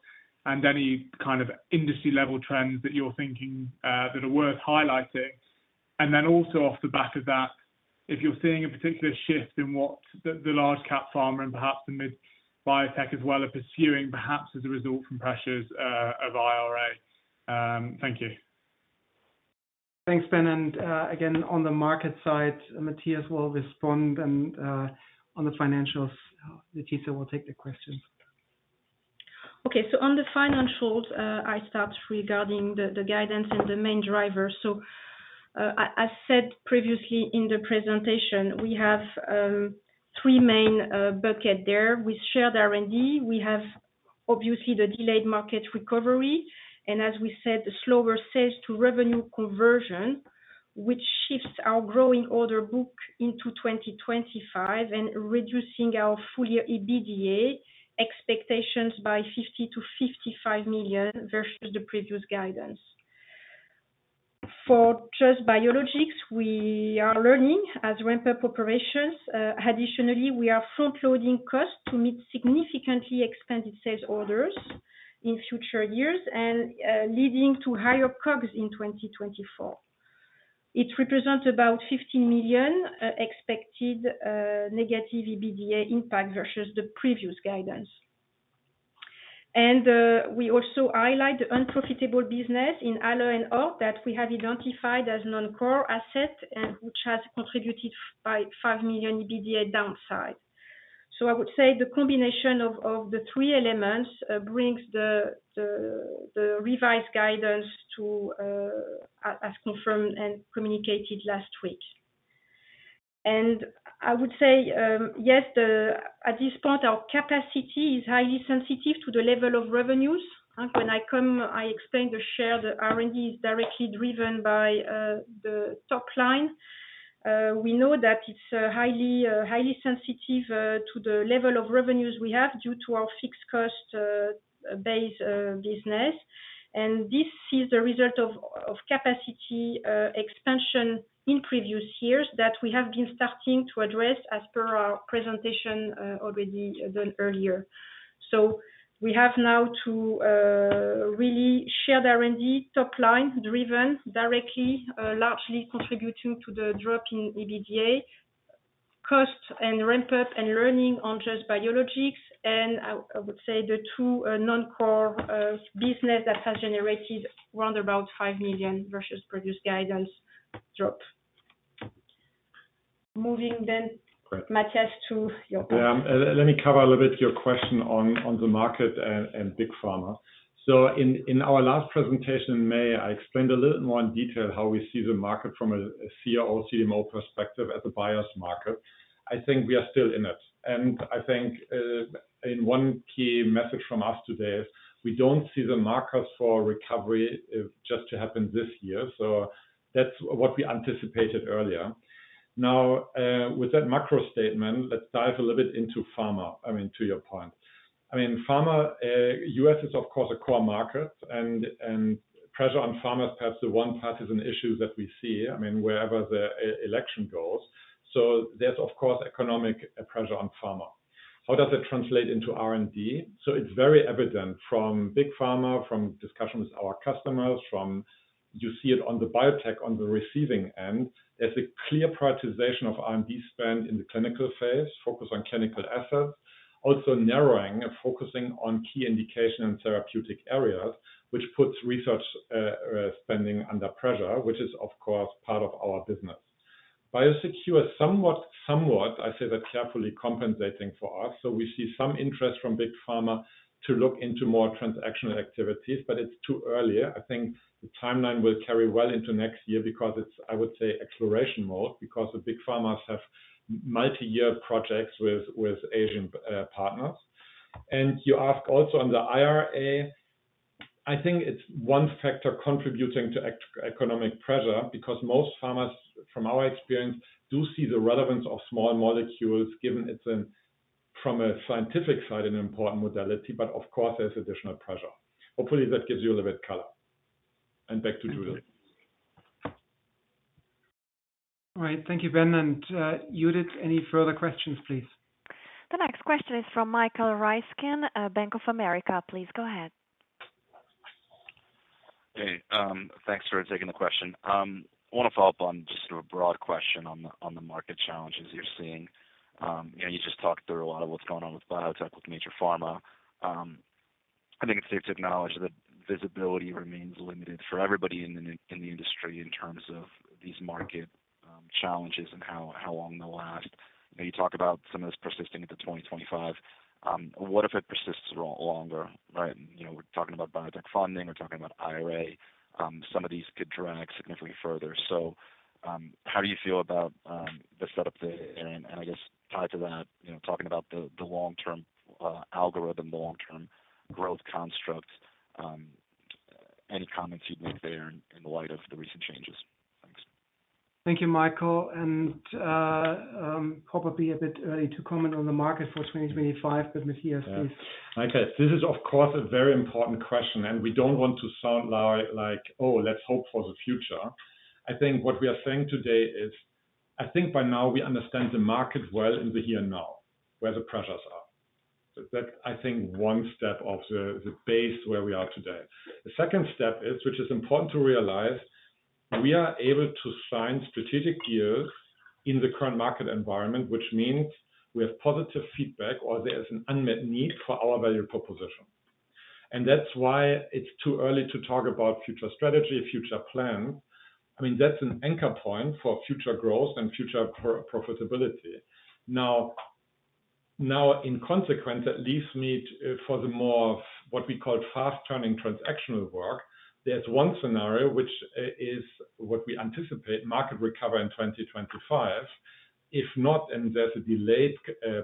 And any kind of industry-level trends that you're thinking that are worth highlighting. And then also off the back of that, if you're seeing a particular shift in what the large cap pharma and perhaps the mid-biotech as well are pursuing, perhaps as a result from pressures of IRA. Thank you. Thanks, Ben, and again, on the market side, Matthias will respond, and on the financials, Laetitia will take the question. Okay, so on the financials, I start regarding the guidance and the main driver. So, I said previously in the presentation, we have three main bucket there. With Shared R&D, we have obviously the delayed market recovery, and as we said, slower sales to revenue conversion, which shifts our growing order book into 2025 and reducing our full year EBITDA expectations by 50 million-55 million versus the previous guidance. For just biologics, we are learning as ramp-up operations. Additionally, we are front-loading costs to meet significantly expanded sales orders in future years and leading to higher COGS in 2024. It represents about 15 million expected negative EBITDA impact versus the previous guidance. We also highlight the unprofitable business in Halle and Orth that we have identified as non-core asset and which has contributed by 5 million EBITDA downside. So I would say the combination of the three elements brings the revised guidance to, as confirmed and communicated last week. And I would say, yes, at this point, our capacity is highly sensitive to the level of revenues. When I come, I explain the Shared R&D is directly driven by the top line. We know that it's highly sensitive to the level of revenues we have due to our fixed cost base business. And this is a result of capacity expansion in previous years that we have been starting to address as per our presentation already done earlier. So we have now to really share the Shared R&D top line, driven directly, largely contributing to the drop in EBITDA. Costs and ramp-up and learning on Just biologics, and I, I would say the two non-core business that has generated around about 5 million versus previous guidance drop. Moving the. Great. Matthias to your point. Yeah, let me cover a little bit your question on the market and big pharma. So in our last presentation in May, I explained a little more in detail how we see the market from a CRO, CMO perspective as a buyer's market. I think we are still in it, and I think, and one key message from us today is we don't see the market's recovery just to happen this year, so that's what we anticipated earlier. Now, with that macro statement, let's dive a little bit into pharma, I mean, to your point. I mean, pharma, U.S. is of course a core market, and pressure on pharma is perhaps the one bipartisan issue that we see, I mean, wherever the election goes. So there's, of course, economic pressure on pharma. How does it translate into R&D? So it's very evident from big pharma, from discussions with our customers. You see it on the biotech, on the receiving end. There's a clear prioritization of R&D spend in the clinical phase, focus on clinical assets, also narrowing and focusing on key indication and therapeutic areas, which puts research spending under pressure, which is, of course, part of our business. BioSecure is somewhat, I say that carefully, compensating for us. So we see some interest from big pharma to look into more transactional activities, but it's too early. I think the timeline will carry well into next year because it's, I would say, exploration mode, because the big pharmas have multi-year projects with Asian partners. And you ask also on the IRA, I think it's one factor contributing to economic pressure, because most pharmas, from our experience, do see the relevance of small molecules, given it's an, from a scientific side, an important modality, but of course, there's additional pressure. Hopefully, that gives you a little bit color. And back to Judit. All right. Thank you, Ben. Judit, any further questions, please? The next question is from Michael Ryskin, Bank of America. Please go ahead. Hey, thanks for taking the question. I want to follow up on just a broad question on the market challenges you're seeing. You know, you just talked through a lot of what's going on with biotech, with major pharma. I think it's safe to acknowledge that visibility remains limited for everybody in the industry in terms of these market challenges and how long they'll last. You talk about some of this persisting into 2025. What if it persists a lot longer, right? You know, we're talking about biotech funding, we're talking about IRA. Some of these could drag significantly further. So, how do you feel about the setup today? I guess tied to that, you know, talking about the long-term algorithm, the long-term growth construct, any comments you'd make there in the light of the recent changes? Thanks. Thank you, Michael. Probably a bit early to comment on the market for 2025, but Matthias, please. Okay. This is, of course, a very important question, and we don't want to sound like, like, "Oh, let's hope for the future." I think what we are saying today is, I think by now we understand the market well in the here and now, where the pressures are. So that, I think, one step of the base where we are today. The second step is, which is important to realize, we are able to sign strategic deals in the current market environment, which means we have positive feedback or there is an unmet need for our value proposition. And that's why it's too early to talk about future strategy, future plan. I mean, that's an anchor point for future growth and future profitability. Now, in consequence, that leaves me for the more of what we call fast-turning transactional work. There's one scenario which is what we anticipate, market recovery in 2025, if not, then there's a delayed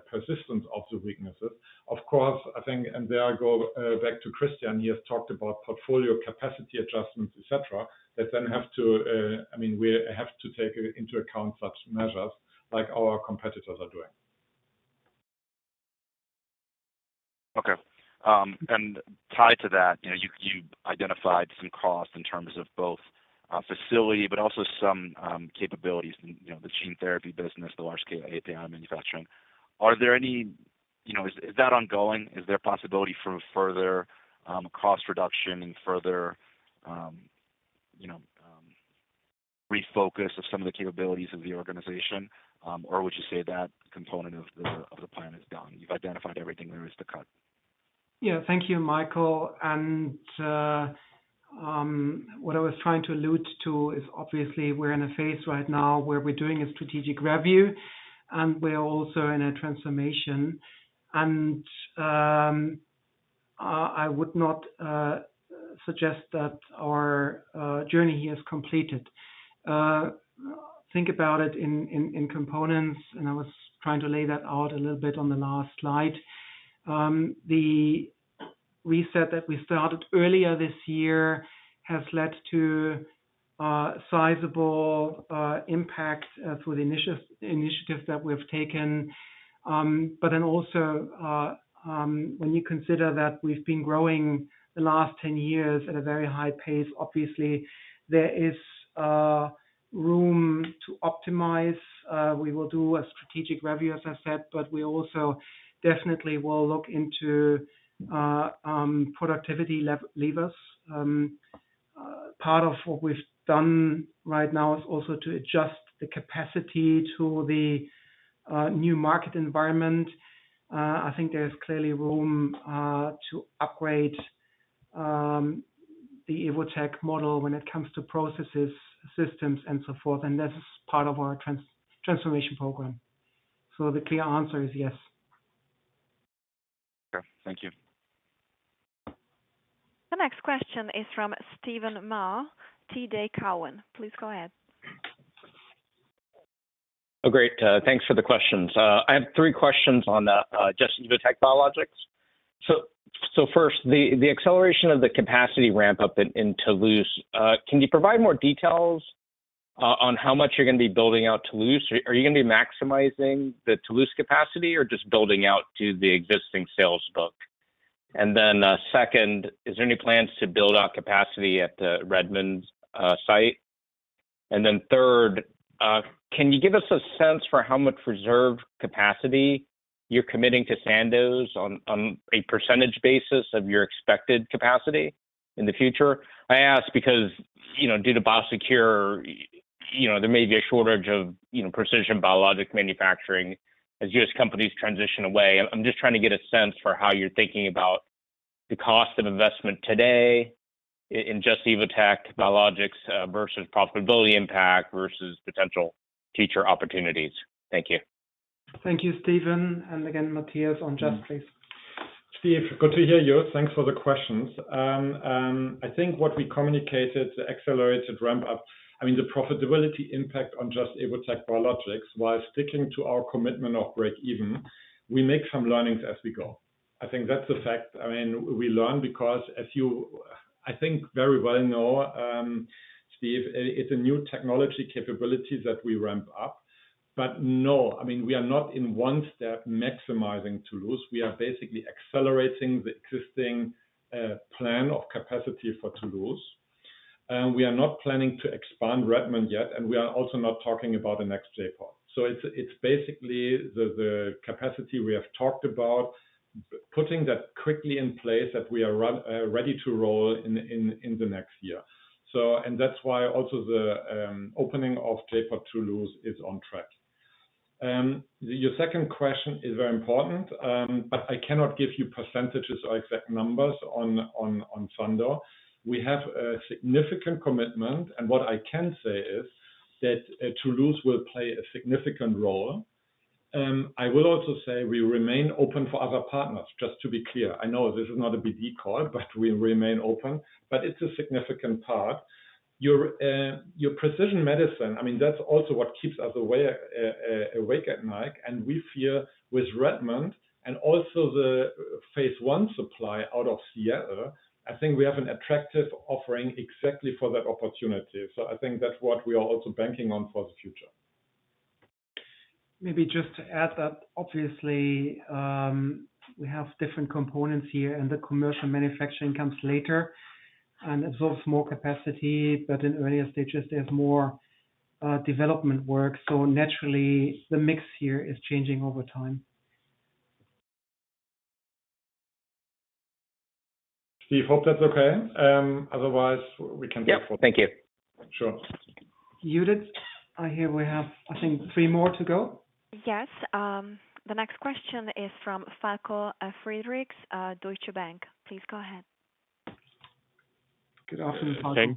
persistence of the weaknesses. Of course, I think, and there I go back to Christian, he has talked about portfolio capacity adjustments, etc. That then have to, I mean, we have to take into account such measures like our competitors are doing. Okay. And tied to that, you know, you identified some costs in terms of both, facility, but also some capabilities, you know, the gene therapy business, the large-scale API manufacturing. Are there any? You know, is that ongoing? Is there a possibility for further cost reduction and further, you know, refocus of some of the capabilities of the organization? Or would you say that component of the plan is done, you've identified everything there is to cut? Yeah, thank you, Michael. What I was trying to allude to is obviously we're in a phase right now where we're doing a strategic review, and we're also in a transformation. I would not suggest that our journey here is completed. Think about it in components, and I was trying to lay that out a little bit on the last slide. The reset that we started earlier this year has led to sizable impacts through the initiatives that we've taken. But then also, when you consider that we've been growing the last 10 years at a very high pace, obviously there is room to optimize. We will do a strategic review, as I said, but we also definitely will look into productivity levers. Part of what we've done right now is also to adjust the capacity to the new market environment. I think there is clearly room to upgrade the Evotec model when it comes to processes, systems, and so forth, and that's part of our transformation program. The clear answer is yes. Sure. Thank you. The next question is from Steven Mah, TD Cowen. Please go ahead. Oh, great, thanks for the questions. I have three questions on the Just - Evotec Biologics. So first, the acceleration of the capacity ramp-up in Toulouse, can you provide more details on how much you're going to be building out Toulouse? Are you going to be maximizing the Toulouse capacity or just building out to the existing sales book? And then, second, is there any plans to build out capacity at the Redmond site? And then third, can you give us a sense for how much reserve capacity you're committing to Sandoz on a percentage basis of your expected capacity in the future? I ask because, you know, due to BioSecure, you know, there may be a shortage of, you know, precision biologic manufacturing as U.S. companies transition away. I'm just trying to get a sense for how you're thinking about the cost of investment today in Just – Evotec Biologics versus profitability impact, versus potential future opportunities. Thank you. Thank you, Steven. Again, Matthias on Just, please. Steve, good to hear you. Thanks for the questions. I think what we communicated the accelerated ramp up, I mean, the profitability impact on Just - Evotec Biologics, while sticking to our commitment of break even, we make some learnings as we go. I think that's a fact. I mean, we learn because as you, I think very well know, Steve, it's a new technology capability that we ramp up. But no, I mean, we are not in one step maximizing Toulouse. We are basically accelerating the existing plan of capacity for Toulouse. And we are not planning to expand Redmond yet, and we are also not talking about the next J.POD. So it's basically the capacity we have talked about, putting that quickly in place, that we are ready to roll in the next year. That's why also the opening of J.POD Toulouse is on track. Your second question is very important, but I cannot give you percentages or exact numbers on Sandoz. We have a significant commitment, and what I can say is that Toulouse will play a significant role. I will also say we remain open for other partners, just to be clear. I know this is not a BD call, but we remain open, but it's a significant part. Your precision medicine, I mean, that's also what keeps us awake at night, and we feel with Redmond and also the phase one supply out of Seattle, I think we have an attractive offering exactly for that opportunity. So I think that's what we are also banking on for the future. Maybe just to add that obviously, we have different components here, and the commercial manufacturing comes later and absorbs more capacity, but in earlier stages there's more development work. So naturally, the mix here is changing over time. Steve, hope that's okay. Otherwise, we can. Yep. Thank you. Sure. Judit, I hear we have, I think, three more to go. Yes. The next question is from Falko Friedrichs, Deutsche Bank. Please go ahead. Good afternoon, Falko.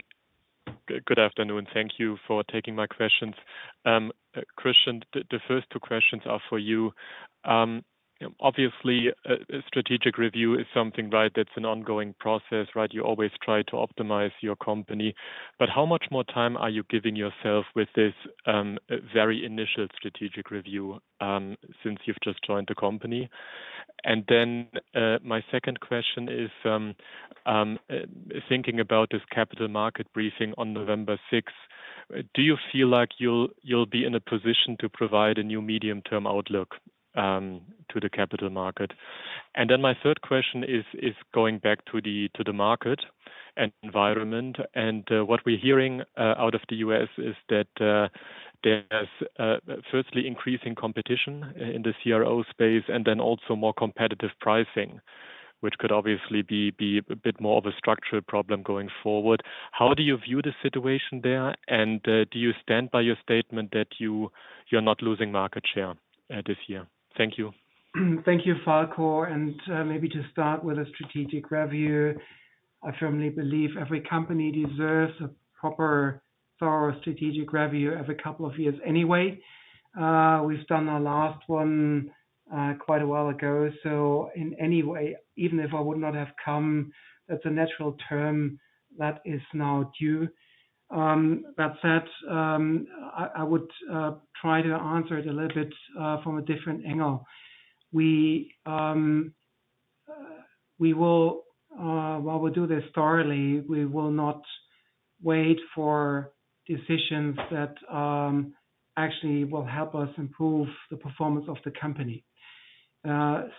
Good afternoon, thank you for taking my questions. Christian, the first two questions are for you. Obviously, a strategic review is something, right, that's an ongoing process, right? You always try to optimize your company, but how much more time are you giving yourself with this very initial strategic review, since you've just joined the company? And then, my second question is, thinking about this capital market briefing on November sixth, do you feel like you'll be in a position to provide a new medium-term outlook to the capital market? And then my third question is going back to the market and environment. And, what we're hearing out of the U.S. is that, there's, firstly, increasing competition in the CRO space and then also more competitive pricing, which could obviously be a bit more of a structural problem going forward. How do you view the situation there, and, do you stand by your statement that you, you're not losing market share, this year? Thank you. Thank you, Falko. Maybe to start with a strategic review, I firmly believe every company deserves a proper thorough strategic review every couple of years anyway. We've done our last one quite a while ago, so in any way, even if I would not have come, that's a natural term that is now due. That said, I would try to answer it a little bit from a different angle. We will, while we do this thoroughly, we will not wait for decisions that actually will help us improve the performance of the company.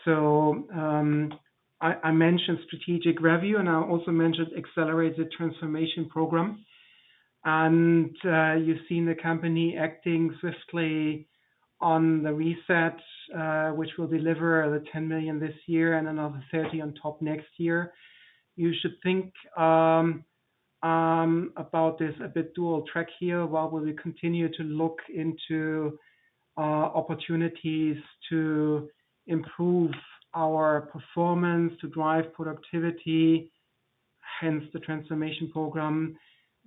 So, I mentioned strategic review, and I also mentioned accelerated transformation program. You've seen the company acting swiftly on the reset, which will deliver the 10 million this year and another 30 million on top next year. You should think about this a bit dual track here. While we will continue to look into opportunities to improve our performance, to drive productivity, hence the transformation program,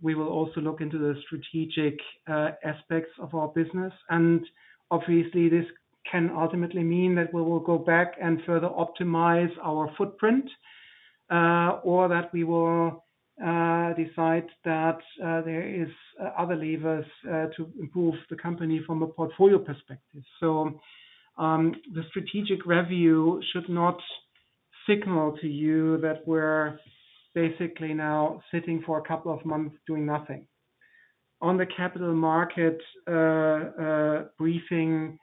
we will also look into the strategic aspects of our business. And obviously, this can ultimately mean that we will go back and further optimize our footprint, or that we will decide that there is other levers to improve the company from a portfolio perspective. So, the strategic review should not signal to you that we're basically now sitting for a couple of months doing nothing. On the capital market briefing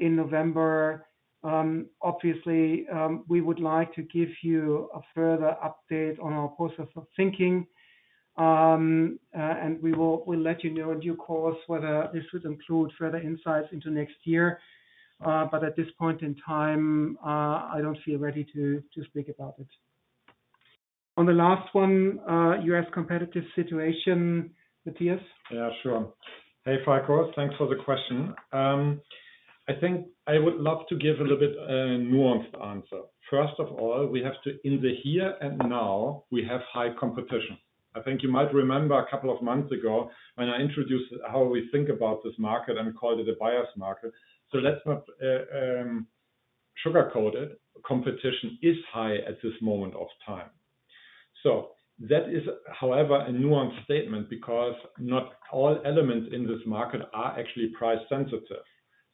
in November, obviously, we would like to give you a further update on our process of thinking. And we will, we'll let you know in due course whether this would include further insights into next year. But at this point in time, I don't feel ready to speak about it. On the last one, U.S. competitive situation, Matthias? Yeah, sure. Hey, Falko, thanks for the question. I think I would love to give a little bit, nuanced answer. First of all, we have to in the here and now, we have high competition. I think you might remember a couple of months ago when I introduced how we think about this market and called it a buyer's market. So let's not sugarcoat it. Competition is high at this moment of time. So that is, however, a nuanced statement, because not all elements in this market are actually price sensitive.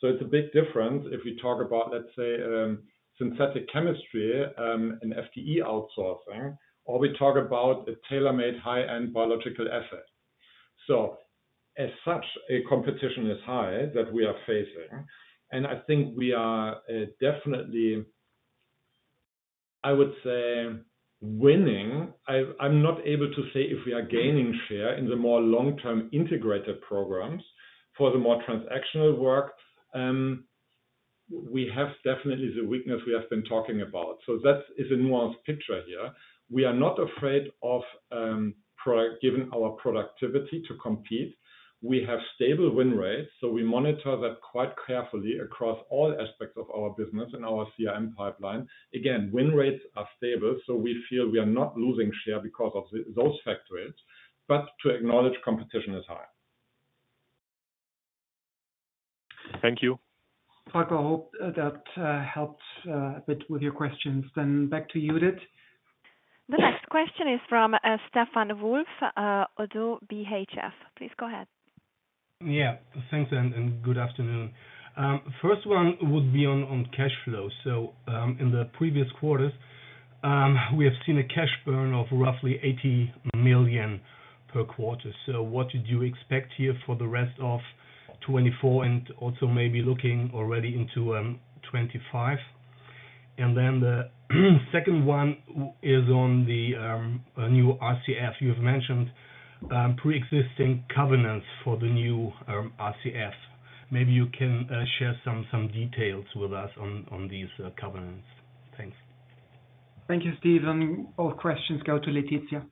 So it's a big difference if we talk about, let's say, synthetic chemistry, and FTE outsourcing, or we talk about a tailor-made high-end biological asset. So as such, a competition is high that we are facing, and I think we are definitely, I would say, winning. I, I'm not able to say if we are gaining share in the more long-term integrated programs. For the more transactional work, we have definitely the weakness we have been talking about. That is a nuanced picture here. We are not afraid of, given our productivity to compete. We have stable win rates, so we monitor that quite carefully across all aspects of our business and our CRM pipeline. Again, win rates are stable, so we feel we are not losing share because of those factors, but to acknowledge, competition is high. Thank you. Falko, I hope that helps a bit with your questions. Then back to you, Judit. The next question is from, Stefan Wolf, ODDO BHF. Please go ahead. Yeah, thanks, and good afternoon. First one would be on cash flow. So, in the previous quarters, we have seen a cash burn of roughly 80 million per quarter. So what did you expect here for the rest of 2024 and also maybe looking already into 2025? And then the second one is on the new RCF. You have mentioned pre-existing covenants for the new RCF. Maybe you can share some details with us on these covenants. Thanks. Thank you, Steve. All questions go to Laetitia.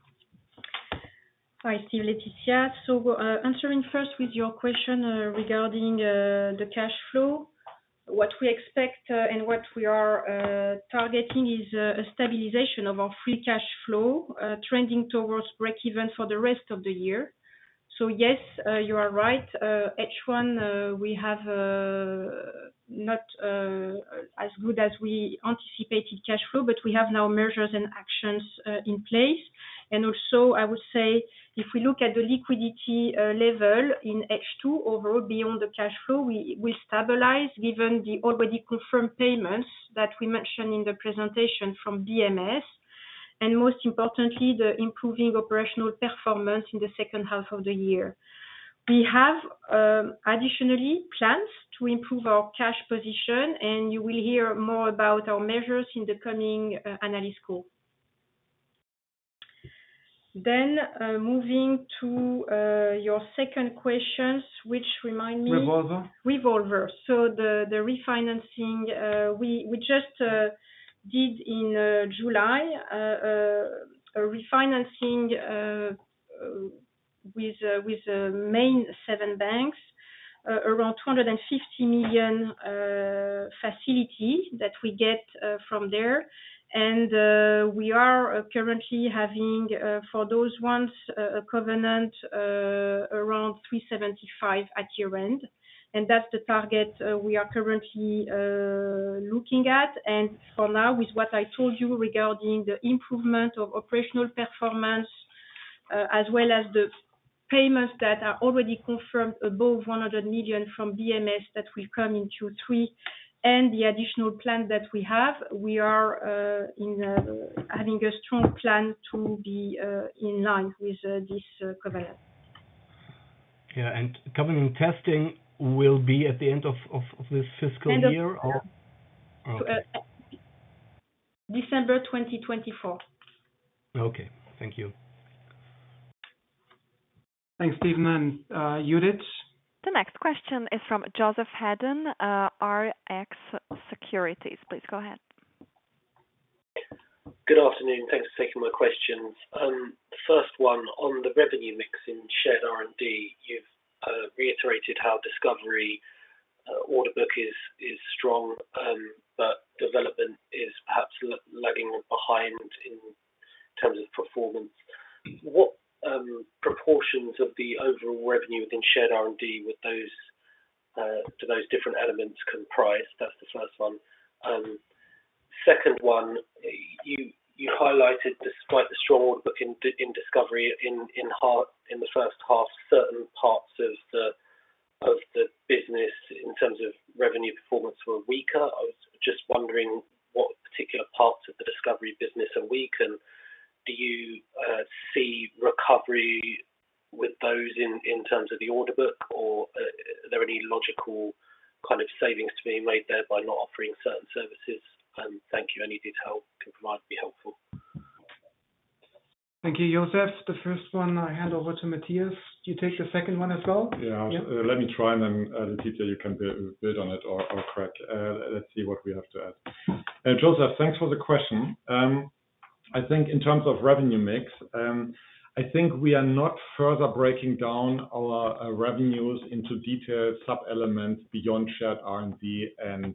Hi, Steve, Laetitia. So, answering first with your question regarding the cash flow. What we expect and what we are targeting is a stabilization of our free cash flow, trending towards breakeven for the rest of the year. So yes, you are right. H1, we have not as good as we anticipated cash flow, but we have now measures and actions in place. And also, I would say if we look at the liquidity level in H2 overall, beyond the cash flow, we stabilize given the already confirmed payments that we mentioned in the presentation from BMS, and most importantly, the improving operational performance in the second half of the year. We have additionally plans to improve our cash position, and you will hear more about our measures in the coming analyst call. Then, moving to your second questions, which remind me. Revolver. Revolver. So the refinancing we just did in July, a refinancing with main seven banks around 250 million facility that we get from there. And we are currently having for those ones a covenant around 375 at year-end, and that's the target we are currently looking at. And for now, with what I told you regarding the improvement of operational performance, as well as the payments that are already confirmed above 100 million from BMS, that will come into three, and the additional plan that we have, we are having a strong plan to be in line with this covenant. Yeah, and covenant testing will be at the end of this fiscal year or? End of December 2024. Okay. Thank you. Thanks, Steven. And, Judit? The next question is from Joseph Hedden, Rx Securities. Please go ahead. Good afternoon. Thanks for taking my questions. First one, on the revenue mix in Shared R&D, you've reiterated how Discovery order book is strong, but development is perhaps lagging behind in terms of performance. What proportions of the overall revenue within Shared R&D would those two different elements comprise? That's the first one. Second one, you highlighted despite the strong order book in Discovery in the first half, certain parts of the. The business in terms of revenue performance were weaker. I was just wondering what particular parts of the discovery business are weak, and do you see recovery with those in terms of the order book? Or, are there any logical kind of savings to be made there by not offering certain services? Thank you. Any detail can provide, be helpful. Thank you, Joseph. The first one I hand over to Matthias. Do you take the second one as well? Yeah. Yeah. Let me try, and then, Laetitia, you can build on it or correct. Let's see what we have to add. And Joseph, thanks for the question. I think in terms of revenue mix, I think we are not further breaking down our revenues into detailed sub-elements beyond Shared R&D and,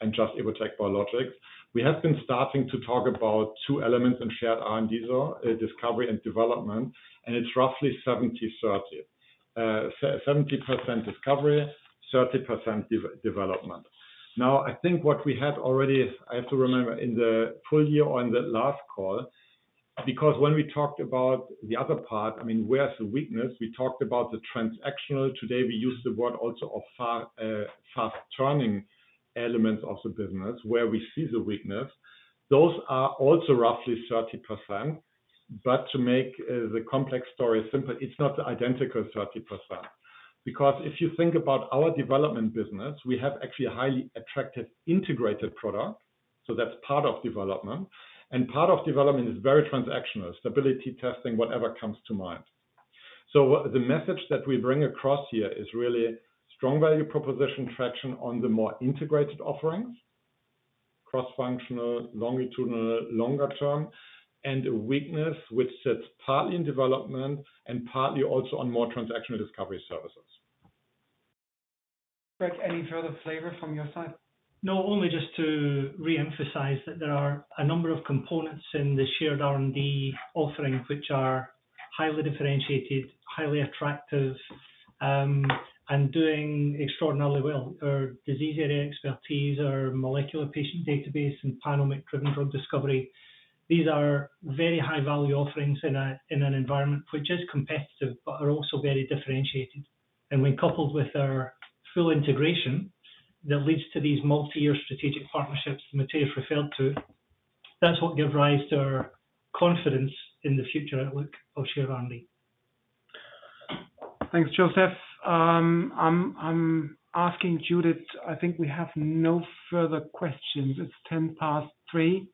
and Just – Evotec Biologics. We have been starting to talk about two elements in Shared R&D, so, discovery and development, and it's roughly 70%, 30%. 70% discovery, 30% development. Now, I think what we have already, I have to remember, in the full year on the last call, because when we talked about the other part, I mean, where's the weakness? We talked about the transactional. Today, we use the word also of far, fast turning elements of the business, where we see the weakness. Those are also roughly 30%. But to make the complex story simple, it's not the identical 30%. Because if you think about our development business, we have actually a highly attractive integrated product, so that's part of development. And part of development is very transactional, stability, testing, whatever comes to mind. So what. The message that we bring across here is really strong value proposition traction on the more integrated offerings, cross-functional, longitudinal, longer-term, and a weakness which sits partly in development and partly also on more transactional discovery services. Craig, any further flavor from your side? No, only just to reemphasize that there are a number of components in the Shared R&D offering, which are highly differentiated, highly attractive, and doing extraordinarily well. Our disease area expertise, our molecular patient database and panel-driven drug discovery. These are very high-value offerings in an environment which is competitive but are also very differentiated. And when coupled with our full integration, that leads to these multi-year strategic partnerships Matthias referred to, that's what give rise to our confidence in the future outlook of Shared R&D. Thanks, Joseph. I'm asking Judit, I think we have no further questions. It's 3:10 P.M.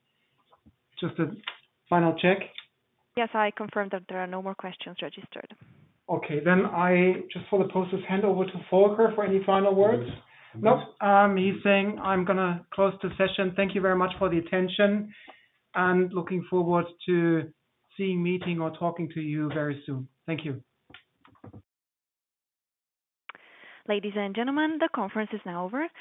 Just a final check. Yes, I confirm that there are no more questions registered. Okay. Then I, just for the process, hand over to Volker for any final words. Nope, he's saying, "I'm gonna close the session." Thank you very much for the attention and looking forward to seeing, meeting, or talking to you very soon. Thank you. Ladies and gentlemen, the conference is now over.